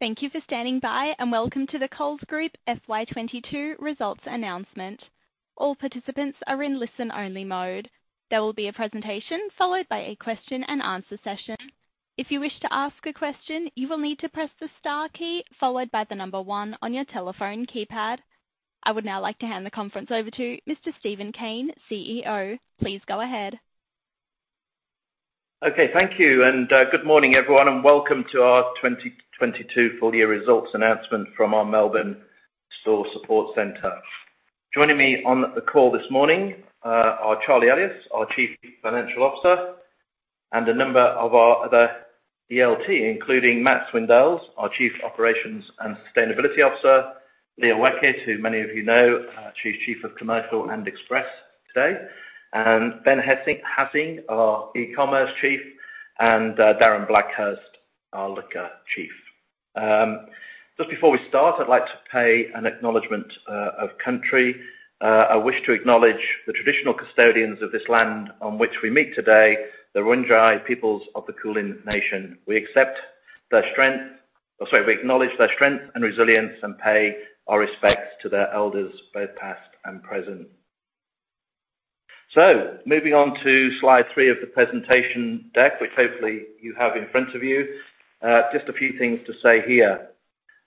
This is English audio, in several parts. Thank you for standing by, and welcome to the Coles Group FY 2022 results announcement. All participants are in listen-only mode. There will be a presentation followed by a question and answer session. If you wish to ask a question, you will need to press the star key followed by the number one on your telephone keypad. I would now like to hand the conference over to Mr. Steven Cain, CEO. Please go ahead. Okay. Thank you. Good morning, everyone, and welcome to our 2022 full year results announcement from our Melbourne Store Support Center. Joining me on the call this morning are Charlie Elias, our Chief Financial Officer, and a number of our other ELT, including Matt Swindells, our Chief Operations and Sustainability Officer, Leah Weckert, who many of you know, she's Chief of Commercial and Express today, and Ben Hassing, our eCommerce Chief, and Darren Blackhurst, our Liquor Chief. Just before we start, I'd like to pay an acknowledgement of country. I wish to acknowledge the traditional custodians of this land on which we meet today, the Wurundjeri peoples of the Kulin nation. We acknowledge their strength and resilience and pay our respects to their elders, both past and present. Moving on to slide three of the presentation deck, which hopefully you have in front of you. Just a few things to say here.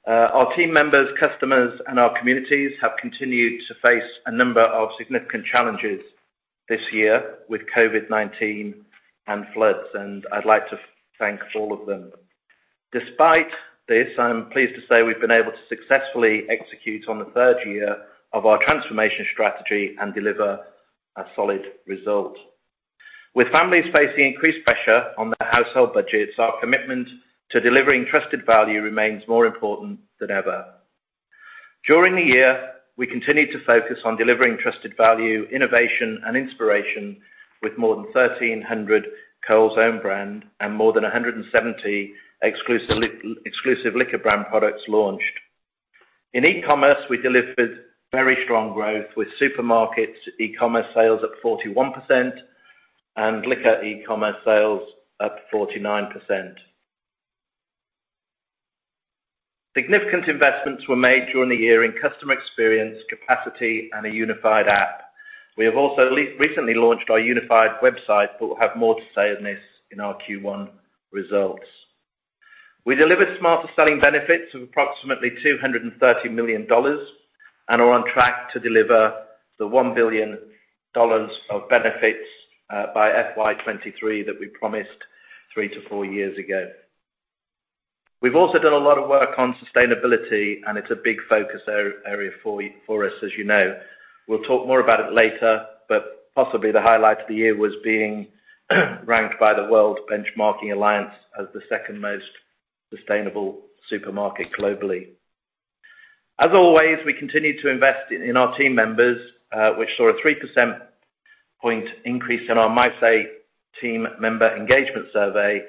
Our team members, customers, and our communities have continued to face a number of significant challenges this year with COVID-19 and floods, and I'd like to thank all of them. Despite this, I'm pleased to say we've been able to successfully execute on the third year of our transformation strategy and deliver a solid result. With families facing increased pressure on their household budgets, our commitment to delivering trusted value remains more important than ever. During the year, we continued to focus on delivering trusted value, innovation and inspiration with more than 1,300 Coles own brand and more than 170 exclusive liquor brand products launched. In e-commerce, we delivered very strong growth with Supermarkets e-commerce sales at 41% and Liquor e-commerce sales at 49%. Significant investments were made during the year in customer experience, capacity and a unified app. We have also recently launched our unified website, but we'll have more to say on this in our Q1 results. We delivered Smarter Selling benefits of approximately 230 million dollars and are on track to deliver the 1 billion dollars of benefits by FY 2023 that we promised 3years-4 years ago. We've also done a lot of work on sustainability, and it's a big focus area for us, as you know. We'll talk more about it later, but possibly the highlight of the year was being ranked by the World Benchmarking Alliance as the second most sustainable supermarket globally. As always, we continued to invest in our team members, which saw a 3 percentage point increase in our MySay team member engagement survey,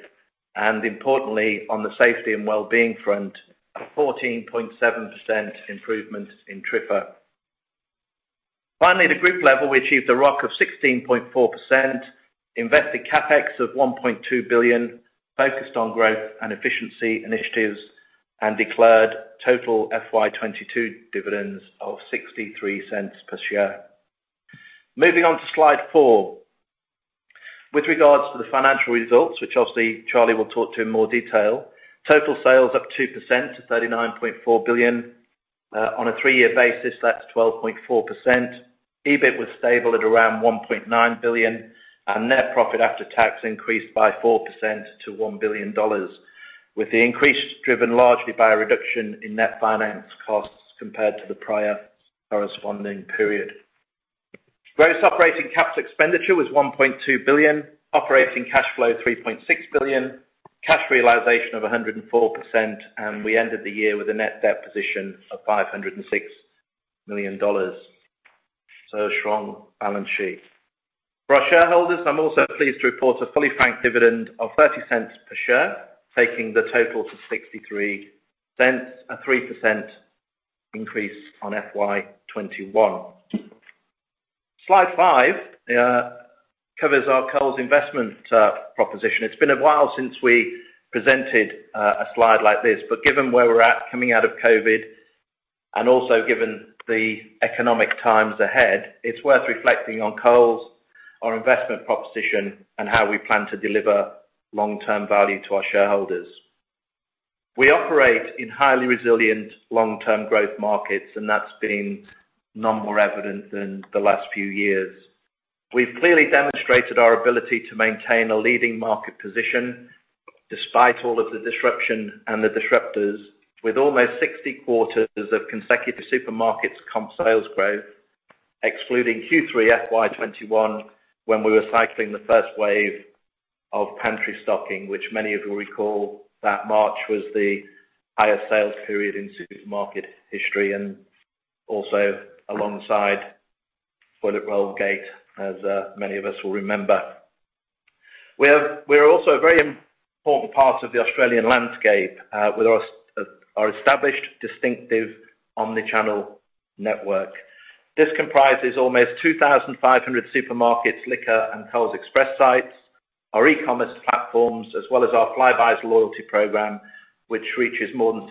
and importantly, on the safety and wellbeing front, a 14.7% improvement in TRIFR. Finally, the group level achieved a ROC of 16.4%, invested CapEx of 1.2 billion focused on growth and efficiency initiatives, and declared total FY 2022 dividends of 0.63 per share. Moving on to slide four. With regards to the financial results, which obviously Charlie will talk to in more detail. Total sales up 2% to 39.4 billion. On a three-year basis, that's 12.4%. EBIT was stable at around 1.9 billion, and net profit after tax increased by 4% to 1 billion dollars, with the increase driven largely by a reduction in net finance costs compared to the prior corresponding period. Gross operating capital expenditure was 1.2 billion, operating cash flow 3.6 billion, cash realization of 104%, and we ended the year with a net debt position of 506 million dollars, so strong balance sheet. For our shareholders, I'm also pleased to report a fully franked dividend of 0.30 per share, taking the total to 0.63, a 3% increase on FY 2021. Slide five covers our Coles investment proposition. It's been a while since we presented a slide like this, but given where we're at coming out of COVID, and also given the economic times ahead, it's worth reflecting on Coles, our investment proposition, and how we plan to deliver long-term value to our shareholders. We operate in highly resilient long-term growth markets, and that's been none more evident than the last few years. We've clearly demonstrated our ability to maintain a leading market position despite all of the disruption and the disruptors with almost 60 quarters of consecutive supermarkets comp sales growth, excluding Q3 FY 2021 when we were cycling the first wave of pantry stocking, which many of you recall that March was the highest sales period in supermarket history and also alongside toilet roll gate, as many of us will remember. We're also a very important part of the Australian landscape, with our established distinctive omni-channel network. This comprises almost 2,500 Supermarkets, Liquor and Coles Express sites, our e-commerce platforms, as well as our Flybuys loyalty program, which reaches more than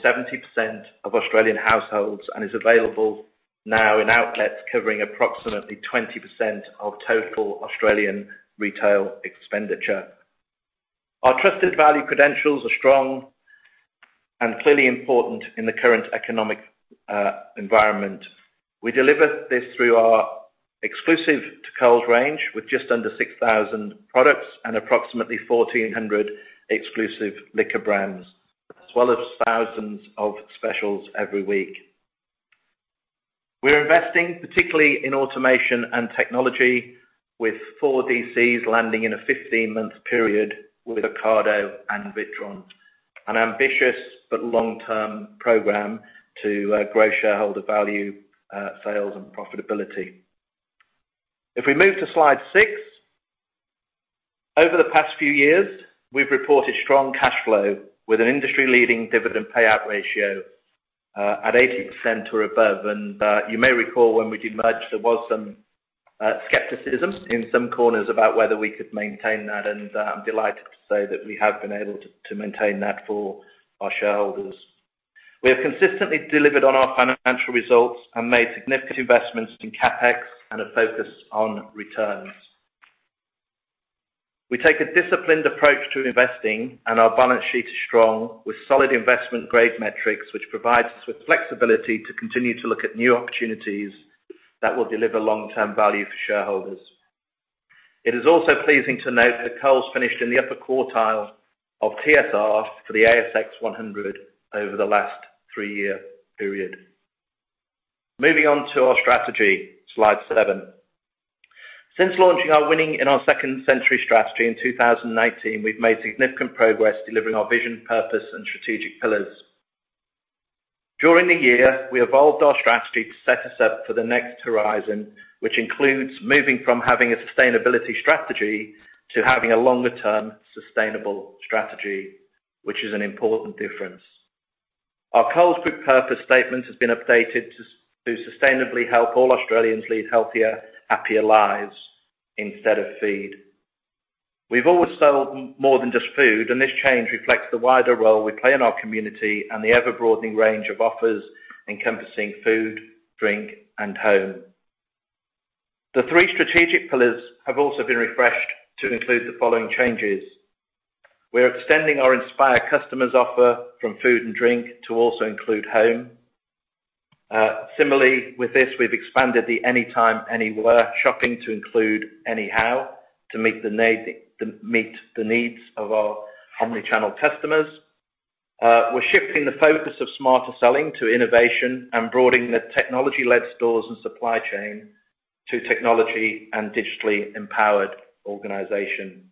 70% of Australian households and is available now in outlets covering approximately 20% of total Australian retail expenditure. Our trusted value credentials are strong and clearly important in the current economic environment. We deliver this through our exclusive to Coles range with just under 6,000 products and approximately 1,400 exclusive liquor brands, as well as thousands of specials every week. We're investing particularly in automation and technology with ADCs landing in a 15-month period with Ocado and Witron, an ambitious but long-term program to grow shareholder value, sales, and profitability. If we move to slide six. Over the past few years, we've reported strong cash flow with an industry-leading dividend payout ratio at 80% or above. You may recall when we did merge, there was some skepticism in some corners about whether we could maintain that, and I'm delighted to say that we have been able to maintain that for our shareholders. We have consistently delivered on our financial results and made significant investments in CapEx and a focus on returns. We take a disciplined approach to investing, and our balance sheet is strong with solid investment-grade metrics, which provides us with flexibility to continue to look at new opportunities that will deliver long-term value for shareholders. It is also pleasing to note that Coles finished in the upper quartile of TSR for the ASX 100 over the last three-year period. Moving on to our strategy, slide seven. Since launching our "Winning in our Second Century" strategy in 2019, we've made significant progress delivering our vision, purpose, and strategic pillars. During the year, we evolved our strategy to set us up for the next horizon, which includes moving from having a sustainability strategy to having a longer-term sustainable strategy, which is an important difference. Our Coles Group purpose statement has been updated to sustainably help all Australians lead healthier, happier lives instead of feed. We've always sold more than just food, and this change reflects the wider role we play in our community and the ever-broadening range of offers encompassing food, drink, and home. The three strategic pillars have also been refreshed to include the following changes. We're extending our inspire customers offer from food and drink to also include home. Similarly with this, we've expanded the anytime, anywhere shopping to include anyhow to meet the needs of our omnichannel customers. We're shifting the focus of Smarter Selling to innovation and broadening the technology-led stores and supply chain to technology and digitally empowered organization.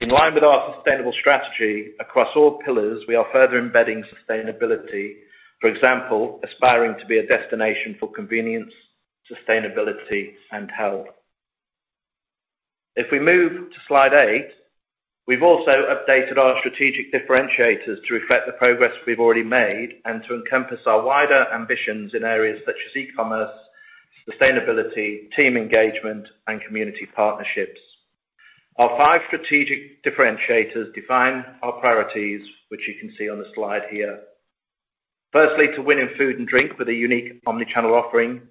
In line with our sustainability strategy across all pillars, we are further embedding sustainability, for example, aspiring to be a destination for convenience, sustainability, and health. If we move to slide eight, we've also updated our strategic differentiators to reflect the progress we've already made and to encompass our wider ambitions in areas such as e-commerce, sustainability, team engagement, and community partnerships. Our 5 strategic differentiators define our priorities, which you can see on the slide here. Firstly, to win in food and drink with a unique omnichannel offering.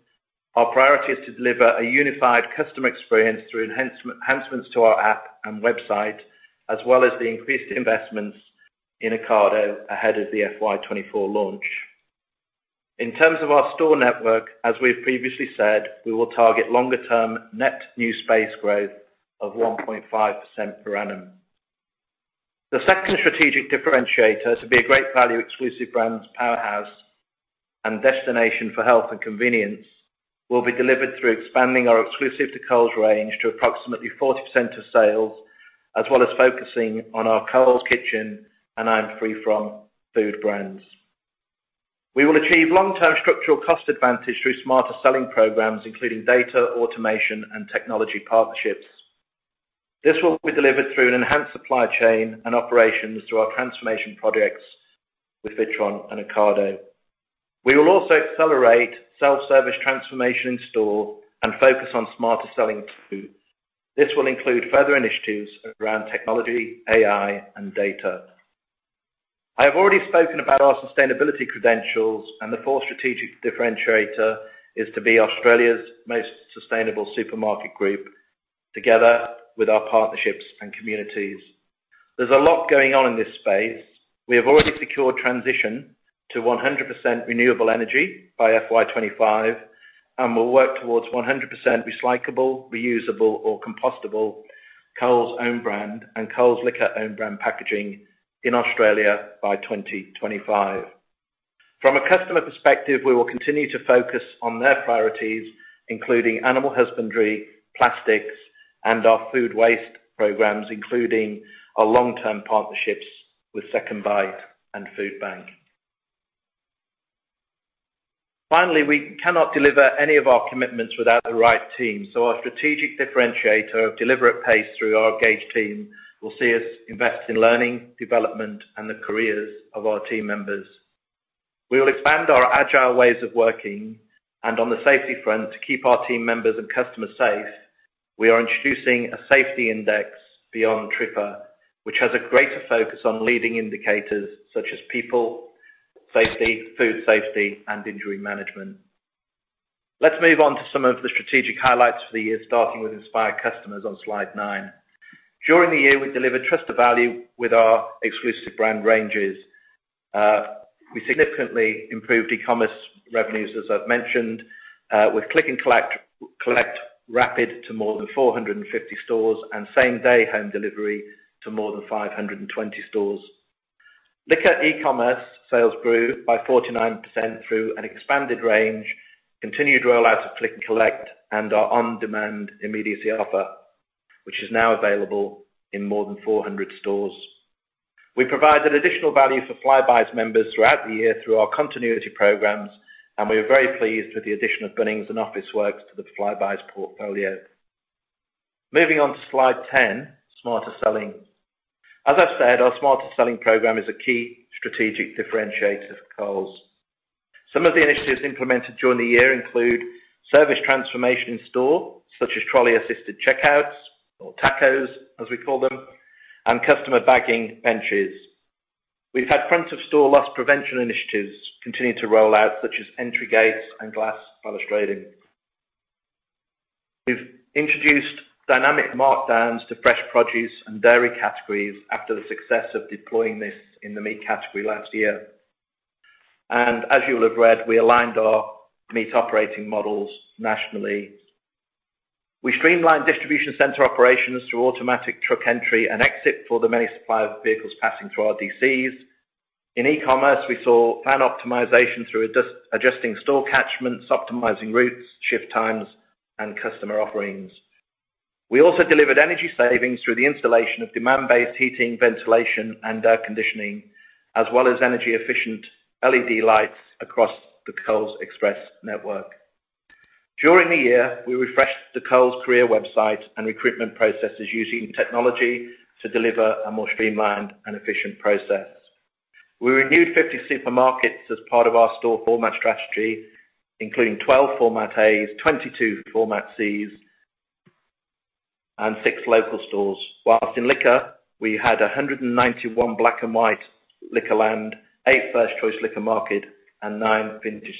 Our priority is to deliver a unified customer experience through enhancements to our app and website, as well as the increased investments in Ocado ahead of the FY 2024 launch. In terms of our store network, as we've previously said, we will target longer-term net new space growth of 1.5% per annum. The second strategic differentiator to be a great value exclusive brands powerhouse and destination for health and convenience will be delivered through expanding our exclusive to Coles range to approximately 40% of sales, as well as focusing on our Coles Kitchen and I'm Free From food brands. We will achieve long-term structural cost advantage through Smarter Selling programs, including data, automation, and technology partnerships. This will be delivered through an enhanced supply chain and operations through our transformation projects with Witron and Ocado. We will also accelerate self-service transformation in store and focus on Smarter Selling food. This will include further initiatives around technology, AI, and data. I have already spoken about our sustainability credentials, and the fourth strategic differentiator is to be Australia's most sustainable supermarket group together with our partnerships and communities. There's a lot going on in this space. We have already secured transition to 100% renewable energy by FY 2025 and will work towards 100% recyclable, reusable, or compostable Coles own brand and Coles Liquor own brand packaging in Australia by 2025. From a customer perspective, we will continue to focus on their priorities, including animal husbandry, plastics, and our food waste programs, including our long-term partnerships with SecondBite and Foodbank. Finally, we cannot deliver any of our commitments without the right team, so our strategic differentiator of deliver at pace through our agile team will see us invest in learning, development, and the careers of our team members. We will expand our agile ways of working and on the safety front to keep our team members and customers safe. We are introducing a safety index beyond TRIFR, which has a greater focus on leading indicators such as people safety, food safety and injury management. Let's move on to some of the strategic highlights for the year, starting with Inspired Customers on slide nine. During the year, we delivered trusted value with our exclusive brand ranges. We significantly improved e-commerce revenues, as I've mentioned, with Rapid Click&Collect to more than 450 stores and same-day home delivery to more than 520 stores. Liquor e-commerce sales grew by 49% through an expanded range, continued rollout of click and collect, and our on-demand immediacy offer, which is now available in more than 400 stores. We provided additional value for Flybuys members throughout the year through our continuity programs, and we are very pleased with the addition of Bunnings and Officeworks to the Flybuys portfolio. Moving on to slide 10, Smarter Selling. As I've said, our Smarter Selling program is a key strategic differentiator for Coles. Some of the initiatives implemented during the year include service transformation in store, such as trolley-assisted checkouts or TACOs, as we call them, and customer bagging benches. We've had front-of-store loss prevention initiatives continue to roll out, such as entry gates and Glass Pallet Shading. We've introduced dynamic markdowns to fresh produce and dairy categories after the success of deploying this in the meat category last year. As you will have read, we aligned our meat operating models nationally. We streamlined distribution center operations through automatic truck entry and exit for the many supplier vehicles passing through our ADCs. In e-commerce, we saw plan optimization through adjusting store catchments, optimizing routes, shift times, and customer offerings. We also delivered energy savings through the installation of demand-based heating, ventilation, and air conditioning, as well as energy-efficient LED lights across the Coles Express network. During the year, we refreshed the Coles career website and recruitment processes using technology to deliver a more streamlined and efficient process. We renewed 50 Supermarkets as part of our store format strategy, including 12 Format A's, 22 Format C's, and 6 local stores. While in Liquor, we had 191 Black and White Liquorland, 8 First Choice Liquor Market, and 9 Vintage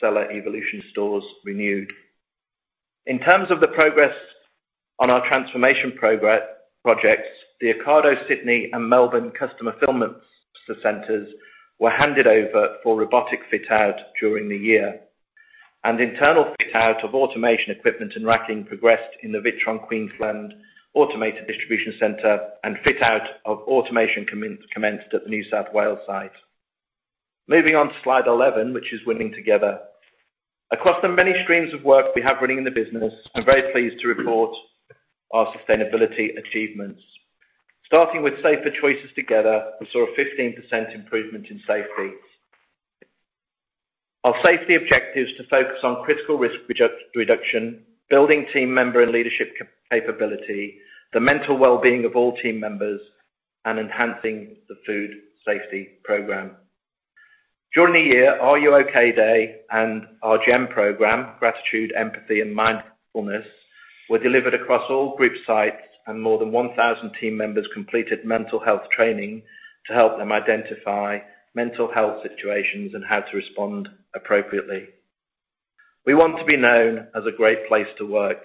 Cellars evolution stores renewed. In terms of the progress on our transformation projects, the Ocado Sydney and Melbourne customer fulfillment centers were handed over for robotic fit-out during the year, and internal fit-out of automation equipment and racking progressed in the Witron Queensland Automated distribution center and fit-out of automation commenced at the New South Wales site. Moving on to slide 11, which is "Win Together". Across the many streams of work we have running in the business, I'm very pleased to report our sustainability achievements. Starting with Safer Choices Together, we saw a 15% improvement in safety. Our safety objective's to focus on critical risk reduction, building team member and leadership capability, the mental well-being of all team members, and enhancing the food safety program. During the year, R U OK? Day and our GEM program, Gratitude, Empathy, and Mindfulness, were delivered across all group sites, and more than 1,000 team members completed mental health training to help them identify mental health situations and how to respond appropriately. We want to be known as a great place to work.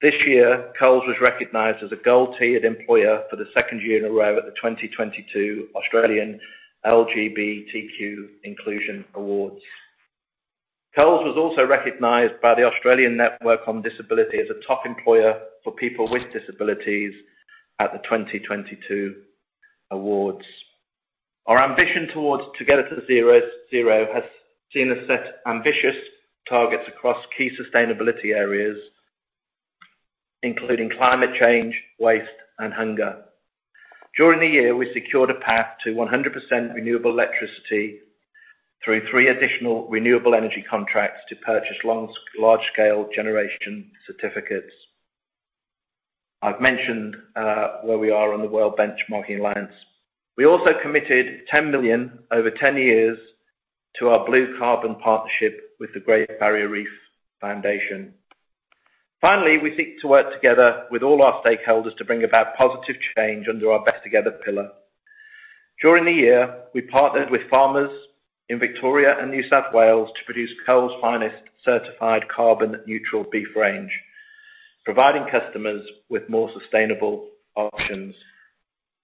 This year, Coles was recognized as a gold tiered employer for the second year in a row at the 2022 Australian LGBTQ Inclusion Awards. Coles was also recognized by the Australian Disability Network as a top employer for people with disabilities at the 2022 awards. Our ambition towards "Together to Zero" has seen us set ambitious targets across key sustainability areas, including climate change, waste, and hunger. During the year, we secured a path to 100% renewable electricity through three additional renewable energy contracts to purchase large-scale generation certificates. I've mentioned where we are on the World Benchmarking Alliance. We also committed 10 million over 10 years to our Blue Carbon partnership with the Great Barrier Reef Foundation. Finally, we seek to work together with all our stakeholders to bring about positive change under our "Better Together" pillar. During the year, we partnered with farmers in Victoria and New South Wales to produce Coles Finest certified carbon-neutral beef range, providing customers with more sustainable options.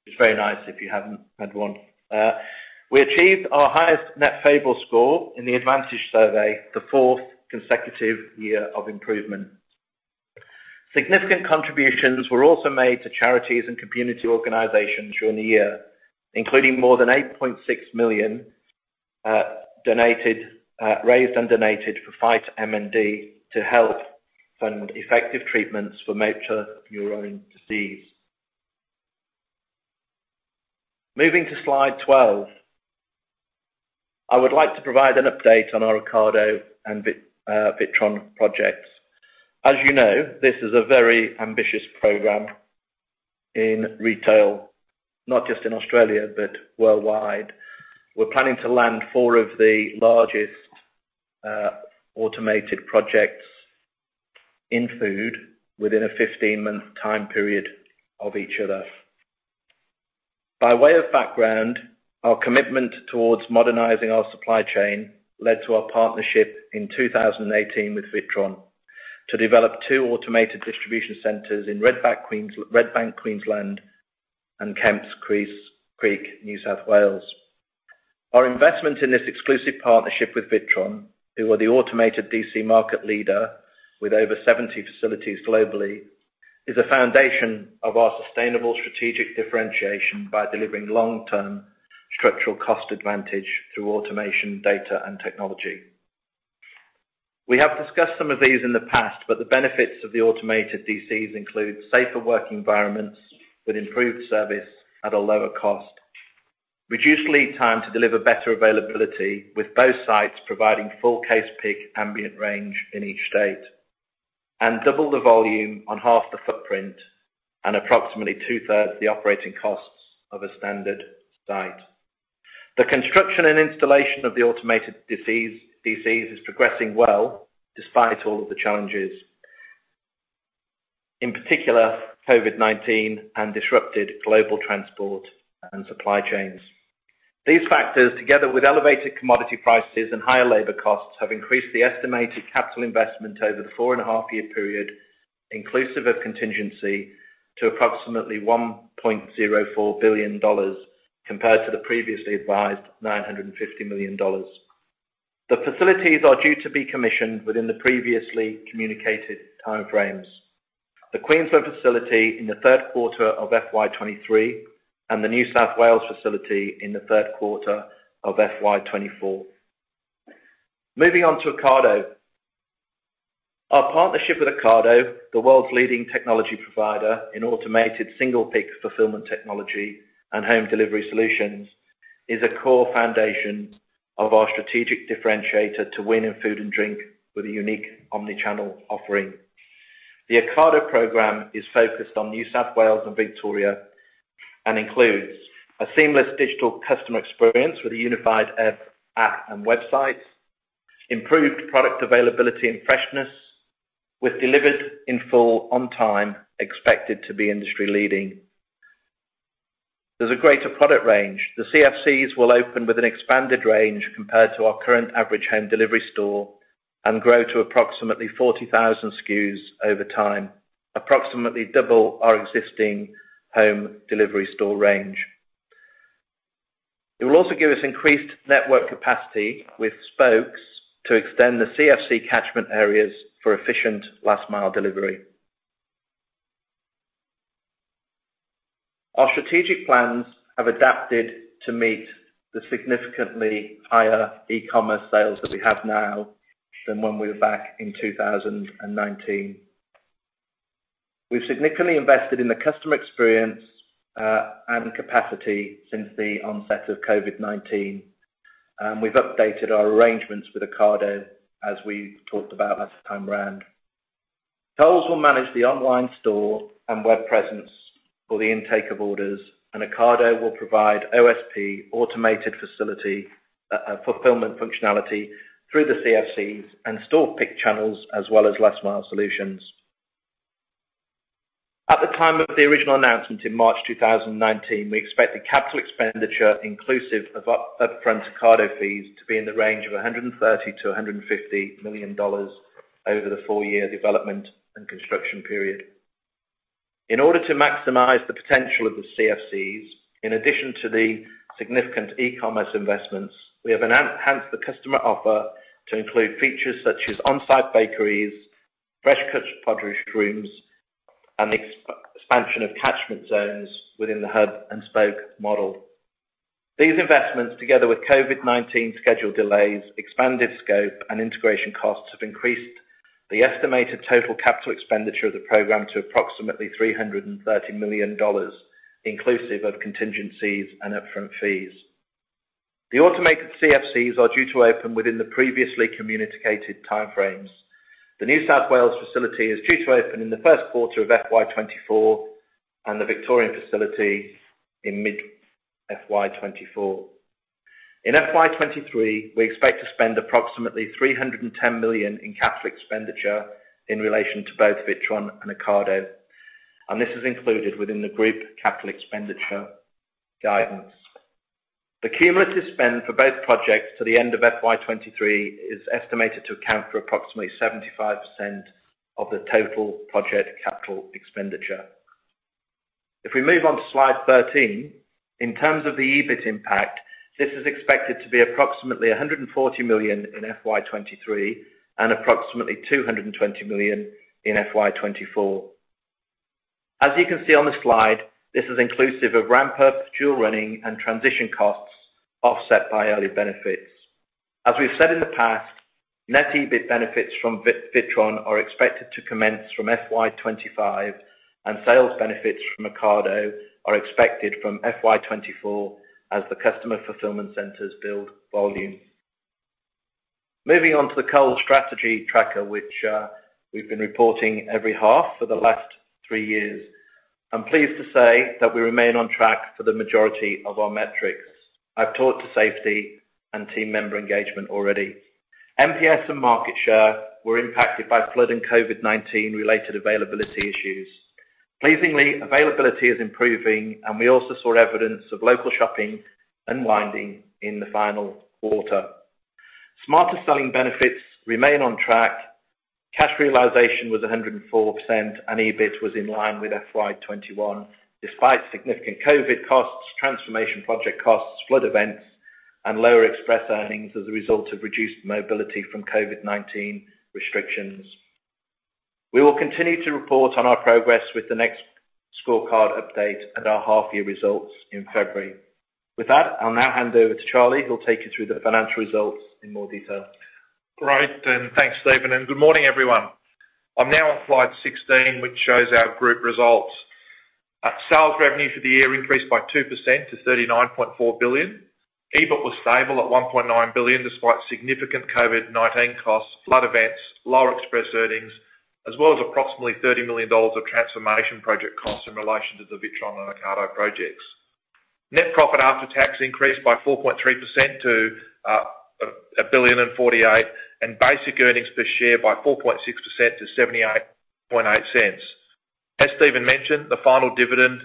It's very nice if you haven't had one. We achieved our highest net favorable score in the Advantage Survey, the fourth consecutive year of improvement. Significant contributions were also made to charities and community organizations during the year, including more than 8.6 million donated, raised and donated for FightMND to help fund effective treatments for motor neurone disease. Moving to slide 12. I would like to provide an update on our Ocado and Witron projects. As you know, this is a very ambitious program in retail, not just in Australia but worldwide. We're planning to land four of the largest Automated projects in food within a 15-month time period of each other. By way of background, our commitment towards modernizing our supply chain led to our partnership in 2018 with Witron to develop two Automated distribution centers in Redbank, Queensland, and Kemps Creek, New South Wales. Our investment in this exclusive partnership with Witron, who are the Automated DC market leader with over 70 facilities globally, is a foundation of our sustainable strategic differentiation by delivering long-term structural cost advantage through automation, data and technology. We have discussed some of these in the past, but the benefits of the Automated DCs include safer work environments with improved service at a lower cost, reduced lead time to deliver better availability, with both sites providing full case pick ambient range in each state and double the volume on half the footprint and approximately 2/3 the operating costs of a standard site. The construction and installation of the Automated DCs is progressing well despite all of the challenges, in particular COVID-19 and disrupted global transport and supply chains. These factors, together with elevated commodity prices and higher labor costs, have increased the estimated capital investment over the 4.5 year period, inclusive of contingency to approximately 1.04 billion dollars compared to the previously advised 950 million dollars. The facilities are due to be commissioned within the previously communicated time frames. The Queensland facility in the third quarter of FY 2023 and the New South Wales facility in the third quarter of FY 2024. Moving on to Ocado. Our partnership with Ocado, the world's leading technology provider in Automated single pick fulfillment technology and home delivery solutions, is a core foundation of our strategic differentiator to win in food and drink with a unique omni-channel offering. The Ocado program is focused on New South Wales and Victoria and includes a seamless digital customer experience with a unified app and website, improved product availability and freshness, with delivered in full on time expected to be industry leading. There's a greater product range. The CFCs will open with an expanded range compared to our current average home delivery store and grow to approximately 40,000 SKUs over time, approximately double our existing home delivery store range. It will also give us increased network capacity with spokes to extend the CFC catchment areas for efficient last mile delivery. Our strategic plans have adapted to meet the significantly higher e-commerce sales that we have now than when we were back in 2019. We've significantly invested in the customer experience and capacity since the onset of COVID-19, and we've updated our arrangements with Ocado, as we talked about last time around. Coles will manage the online store and web presence for the intake of orders, and Ocado will provide OSP Automated facility fulfillment functionality through the CFCs and store pick channels, as well as last mile solutions. At the time of the original announcement in March 2019, we expect the capital expenditure inclusive of upfront Ocado fees to be in the range of 100 million-150 million dollars over the 4-year development and construction period. In order to maximize the potential of the CFCs, in addition to the significant e-commerce investments, we have enhanced the customer offer to include features such as on-site bakeries, fresh cooked produce rooms, and the expansion of catchment zones within the hub and spoke model. These investments, together with COVID-19 schedule delays, expanded scope and integration costs, have increased the estimated total capital expenditure of the program to approximately 330 million dollars, inclusive of contingencies and upfront fees. The Automated CFCs are due to open within the previously communicated time frames. The New South Wales facility is due to open in the first quarter of FY 2024 and the Victorian facility in mid FY 2024. In FY 2023, we expect to spend approximately 310 million in capital expenditure in relation to both Witron and Ocado, and this is included within the group capital expenditure guidance. The cumulative spend for both projects to the end of FY 2023 is estimated to account for approximately 75% of the total project capital expenditure. If we move on to slide 13. In terms of the EBIT impact, this is expected to be approximately 140 million in FY 2023 and approximately 220 million in FY 2024. As you can see on the slide, this is inclusive of ramp up, dual running and transition costs offset by early benefits. As we've said in the past, net EBIT benefits from Witron are expected to commence from FY 2025, and sales benefits from Ocado are expected from FY 2024 as the customer fulfillment centers build volume. Moving on to the Coles strategy tracker, which we've been reporting every half for the last three years. I'm pleased to say that we remain on track for the majority of our metrics. I've talked to safety and team member engagement already. NPS and market share were impacted by flood and COVID-19 related availability issues. Pleasingly, availability is improving, and we also saw evidence of lockdown shopping unwinding in the final quarter. Smarter Selling benefits remain on track. Cash realization was 104%, and EBIT was in line with FY 2021, despite significant COVID costs, transformation project costs, flood events, and lower express earnings as a result of reduced mobility from COVID-19 restrictions. We will continue to report on our progress with the next scorecard update and our half-year results in February. With that, I'll now hand over to Charlie, who'll take you through the financial results in more detail. Great. Thanks, Steven, and good morning, everyone. I'm now on slide 16, which shows our group results. Sales revenue for the year increased by 2% to 39.4 billion. EBIT was stable at 1.9 billion, despite significant COVID-19 costs, flood events, lower express earnings, as well as approximately 30 million dollars of transformation project costs in relation to the Witron and Ocado projects. Net profit after tax increased by 4.3% to 1.048 billion, and basic earnings per share by 4.6% to 0.788. As Steven mentioned, the final dividend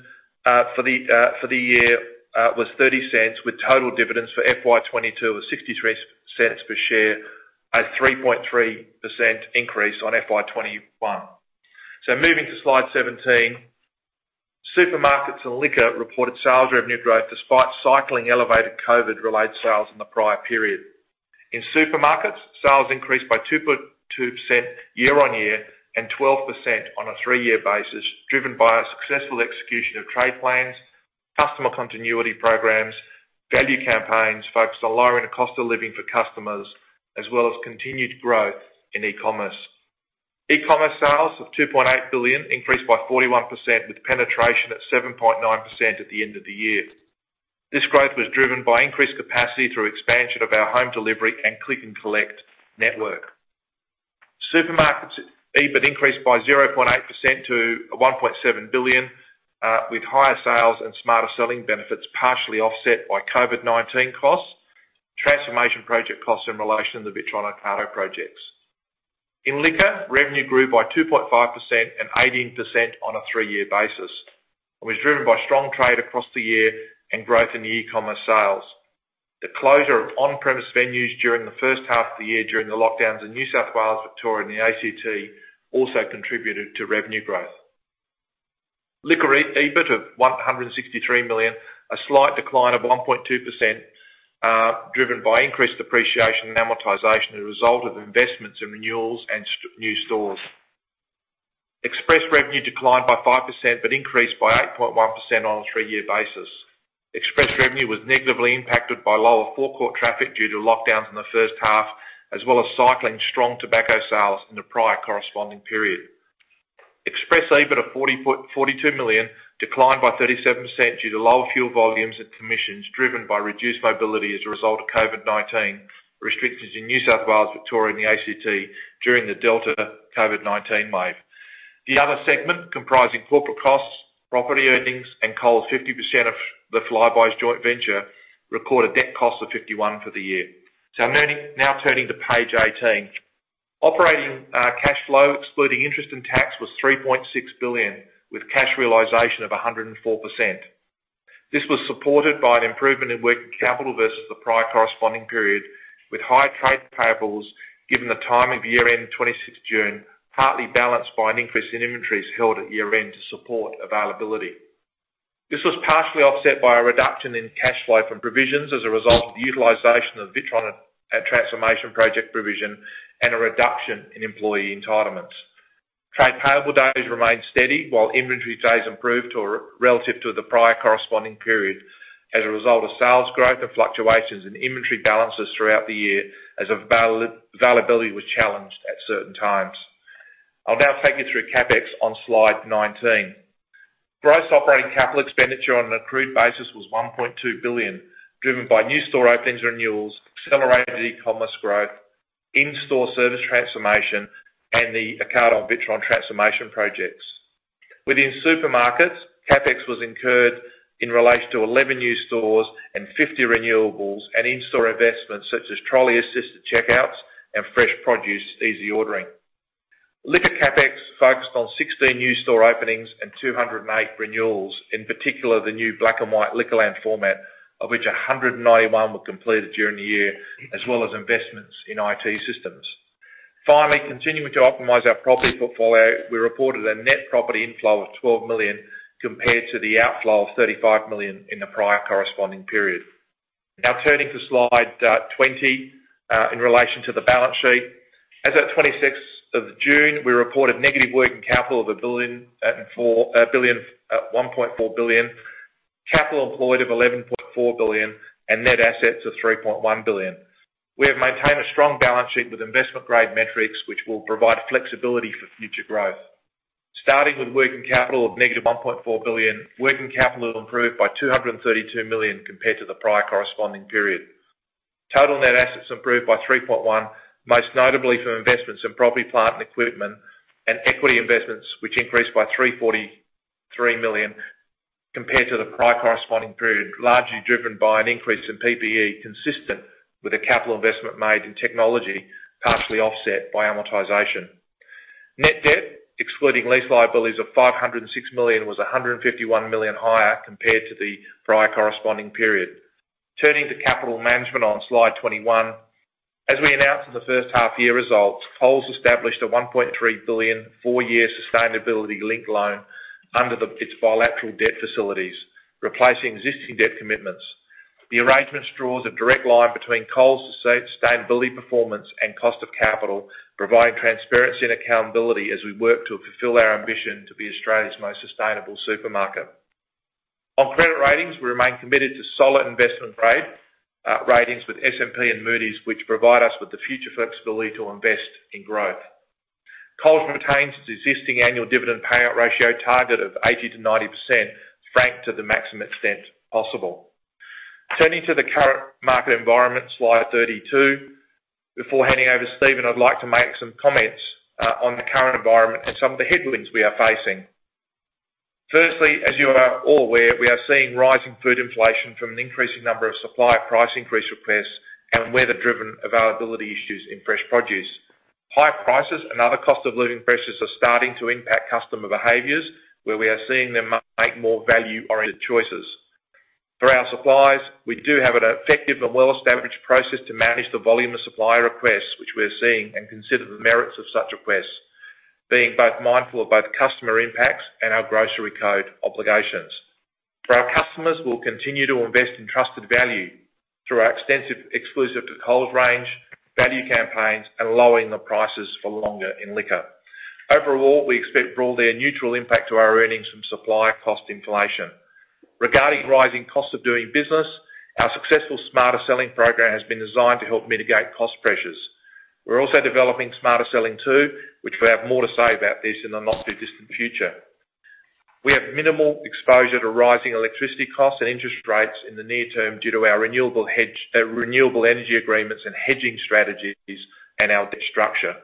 for the year was 0.30, with total dividends for FY 2022 of 0.63 per share, a 3.3% increase on FY 2021. Moving to slide 17. Supermarkets and Liquor reported sales revenue growth despite cycling elevated COVID-related sales in the prior period. In Supermarkets, sales increased by 2.2% year-on-year and 12% on a three-year basis, driven by a successful execution of trade plans, customer continuity programs, value campaigns focused on lowering the cost of living for customers, as well as continued growth in e-commerce. E-commerce sales of 2.8 billion increased by 41% with penetration at 7.9% at the end of the year. This growth was driven by increased capacity through expansion of our home delivery and click and collect network. Supermarkets' EBIT increased by 0.8% to 1.7 billion with higher sales and Smarter Selling benefits partially offset by COVID-19 costs, transformation project costs in relation to the Witron Ocado projects. In Liquor, revenue grew by 2.5% and 18% on a three-year basis, and was driven by strong trade across the year and growth in the e-commerce sales. The closure of on-premise venues during the first half of the year during the lockdowns in New South Wales, Victoria, and the ACT also contributed to revenue growth. Liquor EBIT of 163 million, a slight decline of 1.2%, driven by increased depreciation and amortization as a result of investments in renewals and new stores. Express revenue declined by 5%, increased by 8.1% on a three-year basis. Express revenue was negatively impacted by lower forecourt traffic due to lockdowns in the first half, as well as cycling strong tobacco sales in the prior corresponding period. Express EBIT of 42 million declined by 37% due to lower fuel volumes and commissions driven by reduced mobility as a result of COVID-19 restrictions in New South Wales, Victoria, and the ACT during the Delta COVID-19 wave. The other segment comprising corporate costs, property earnings, and Coles' 50% of the Flybuys joint venture recorded debt costs of 51 million for the year. I'm now turning to page 18. Operating cash flow, excluding interest and tax, was 3.6 billion, with cash realization of 104%. This was supported by an improvement in working capital versus the prior corresponding period, with high trade payables, given the timing of year-end, 26th June, partly balanced by an increase in inventories held at year-end to support availability. This was partially offset by a reduction in cash flow from provisions as a result of the utilization of Witron and Transformation project provision and a reduction in employee entitlements. Trade payable days remained steady, while inventory days improved, or relative to the prior corresponding period as a result of sales growth and fluctuations in inventory balances throughout the year as availability was challenged at certain times. I'll now take you through CapEx on slide 19. Gross operating capital expenditure on an accrued basis was 1.2 billion, driven by new store openings, renewals, accelerated e-commerce growth, in-store service transformation, and the Ocado and Witron transformation projects. Within supermarkets, CapEx was incurred in relation to 11 new stores and 50 renewals and in-store investments such as trolley-assisted checkouts and fresh produce easy ordering. Liquor CapEx focused on 16 new store openings and 208 renewals. In particular, the new Black and White Liquorland format, of which 191 were completed during the year, as well as investments in IT systems. Finally, continuing to optimize our property portfolio, we reported a net property inflow of 12 million compared to the outflow of 35 million in the prior corresponding period. Now turning to slide 20 in relation to the balance sheet. As at 26th of June, we reported negative working capital of 1.4 billion, capital employed of 11.4 billion, and net assets of 3.1 billion. We have maintained a strong balance sheet with investment-grade metrics, which will provide flexibility for future growth. Starting with working capital of negative one point four billion, working capital improved by 232 million compared to the prior corresponding period. Total net assets improved by 3.1%, most notably from investments in property, plant and equipment and equity investments, which increased by 343 million compared to the prior corresponding period, largely driven by an increase in PPE consistent with the capital investment made in technology, partially offset by amortization. Net debt, excluding lease liabilities of 506 million, was 151 million higher compared to the prior corresponding period. Turning to capital management on slide 21. As we announced in the first half-year results, Coles established a 1.3 billion, 4-year Sustainability Linked Loan under its bilateral debt facilities, replacing existing debt commitments. The arrangement draws a direct line between Coles' sustainability performance and cost of capital, providing transparency and accountability as we work to fulfill our ambition to be Australia's most sustainable supermarket. On credit ratings, we remain committed to solid investment grade ratings with S&P and Moody's, which provide us with the future flexibility to invest in growth. Coles retains its existing annual dividend payout ratio target of 80%-90% franked to the maximum extent possible. Turning to the current market environment, slide 32. Before handing over to Steven, I'd like to make some comments on the current environment and some of the headwinds we are facing. Firstly, as you are all aware, we are seeing rising food inflation from an increasing number of supplier price increase requests and weather-driven availability issues in fresh produce. High prices and other cost of living pressures are starting to impact customer behaviors, where we are seeing them make more value-oriented choices. Through our suppliers, we do have an effective and well-established process to manage the volume of supplier requests which we're seeing, and consider the merits of such requests, being both mindful of both customer impacts and our grocery code obligations. For our customers, we'll continue to invest in trusted value through our extensive exclusive to Coles range, value campaigns, and lowering the prices for longer in Liquor. Overall, we expect overall neutral impact to our earnings from supplier cost inflation. Regarding rising cost of doing business, our successful Smarter Selling program has been designed to help mitigate cost pressures. We're also developing Smarter Selling 2, which we have more to say about this in the not-too-distant future. We have minimal exposure to rising electricity costs and interest rates in the near term due to our renewable energy agreements and hedging strategies and our debt structure.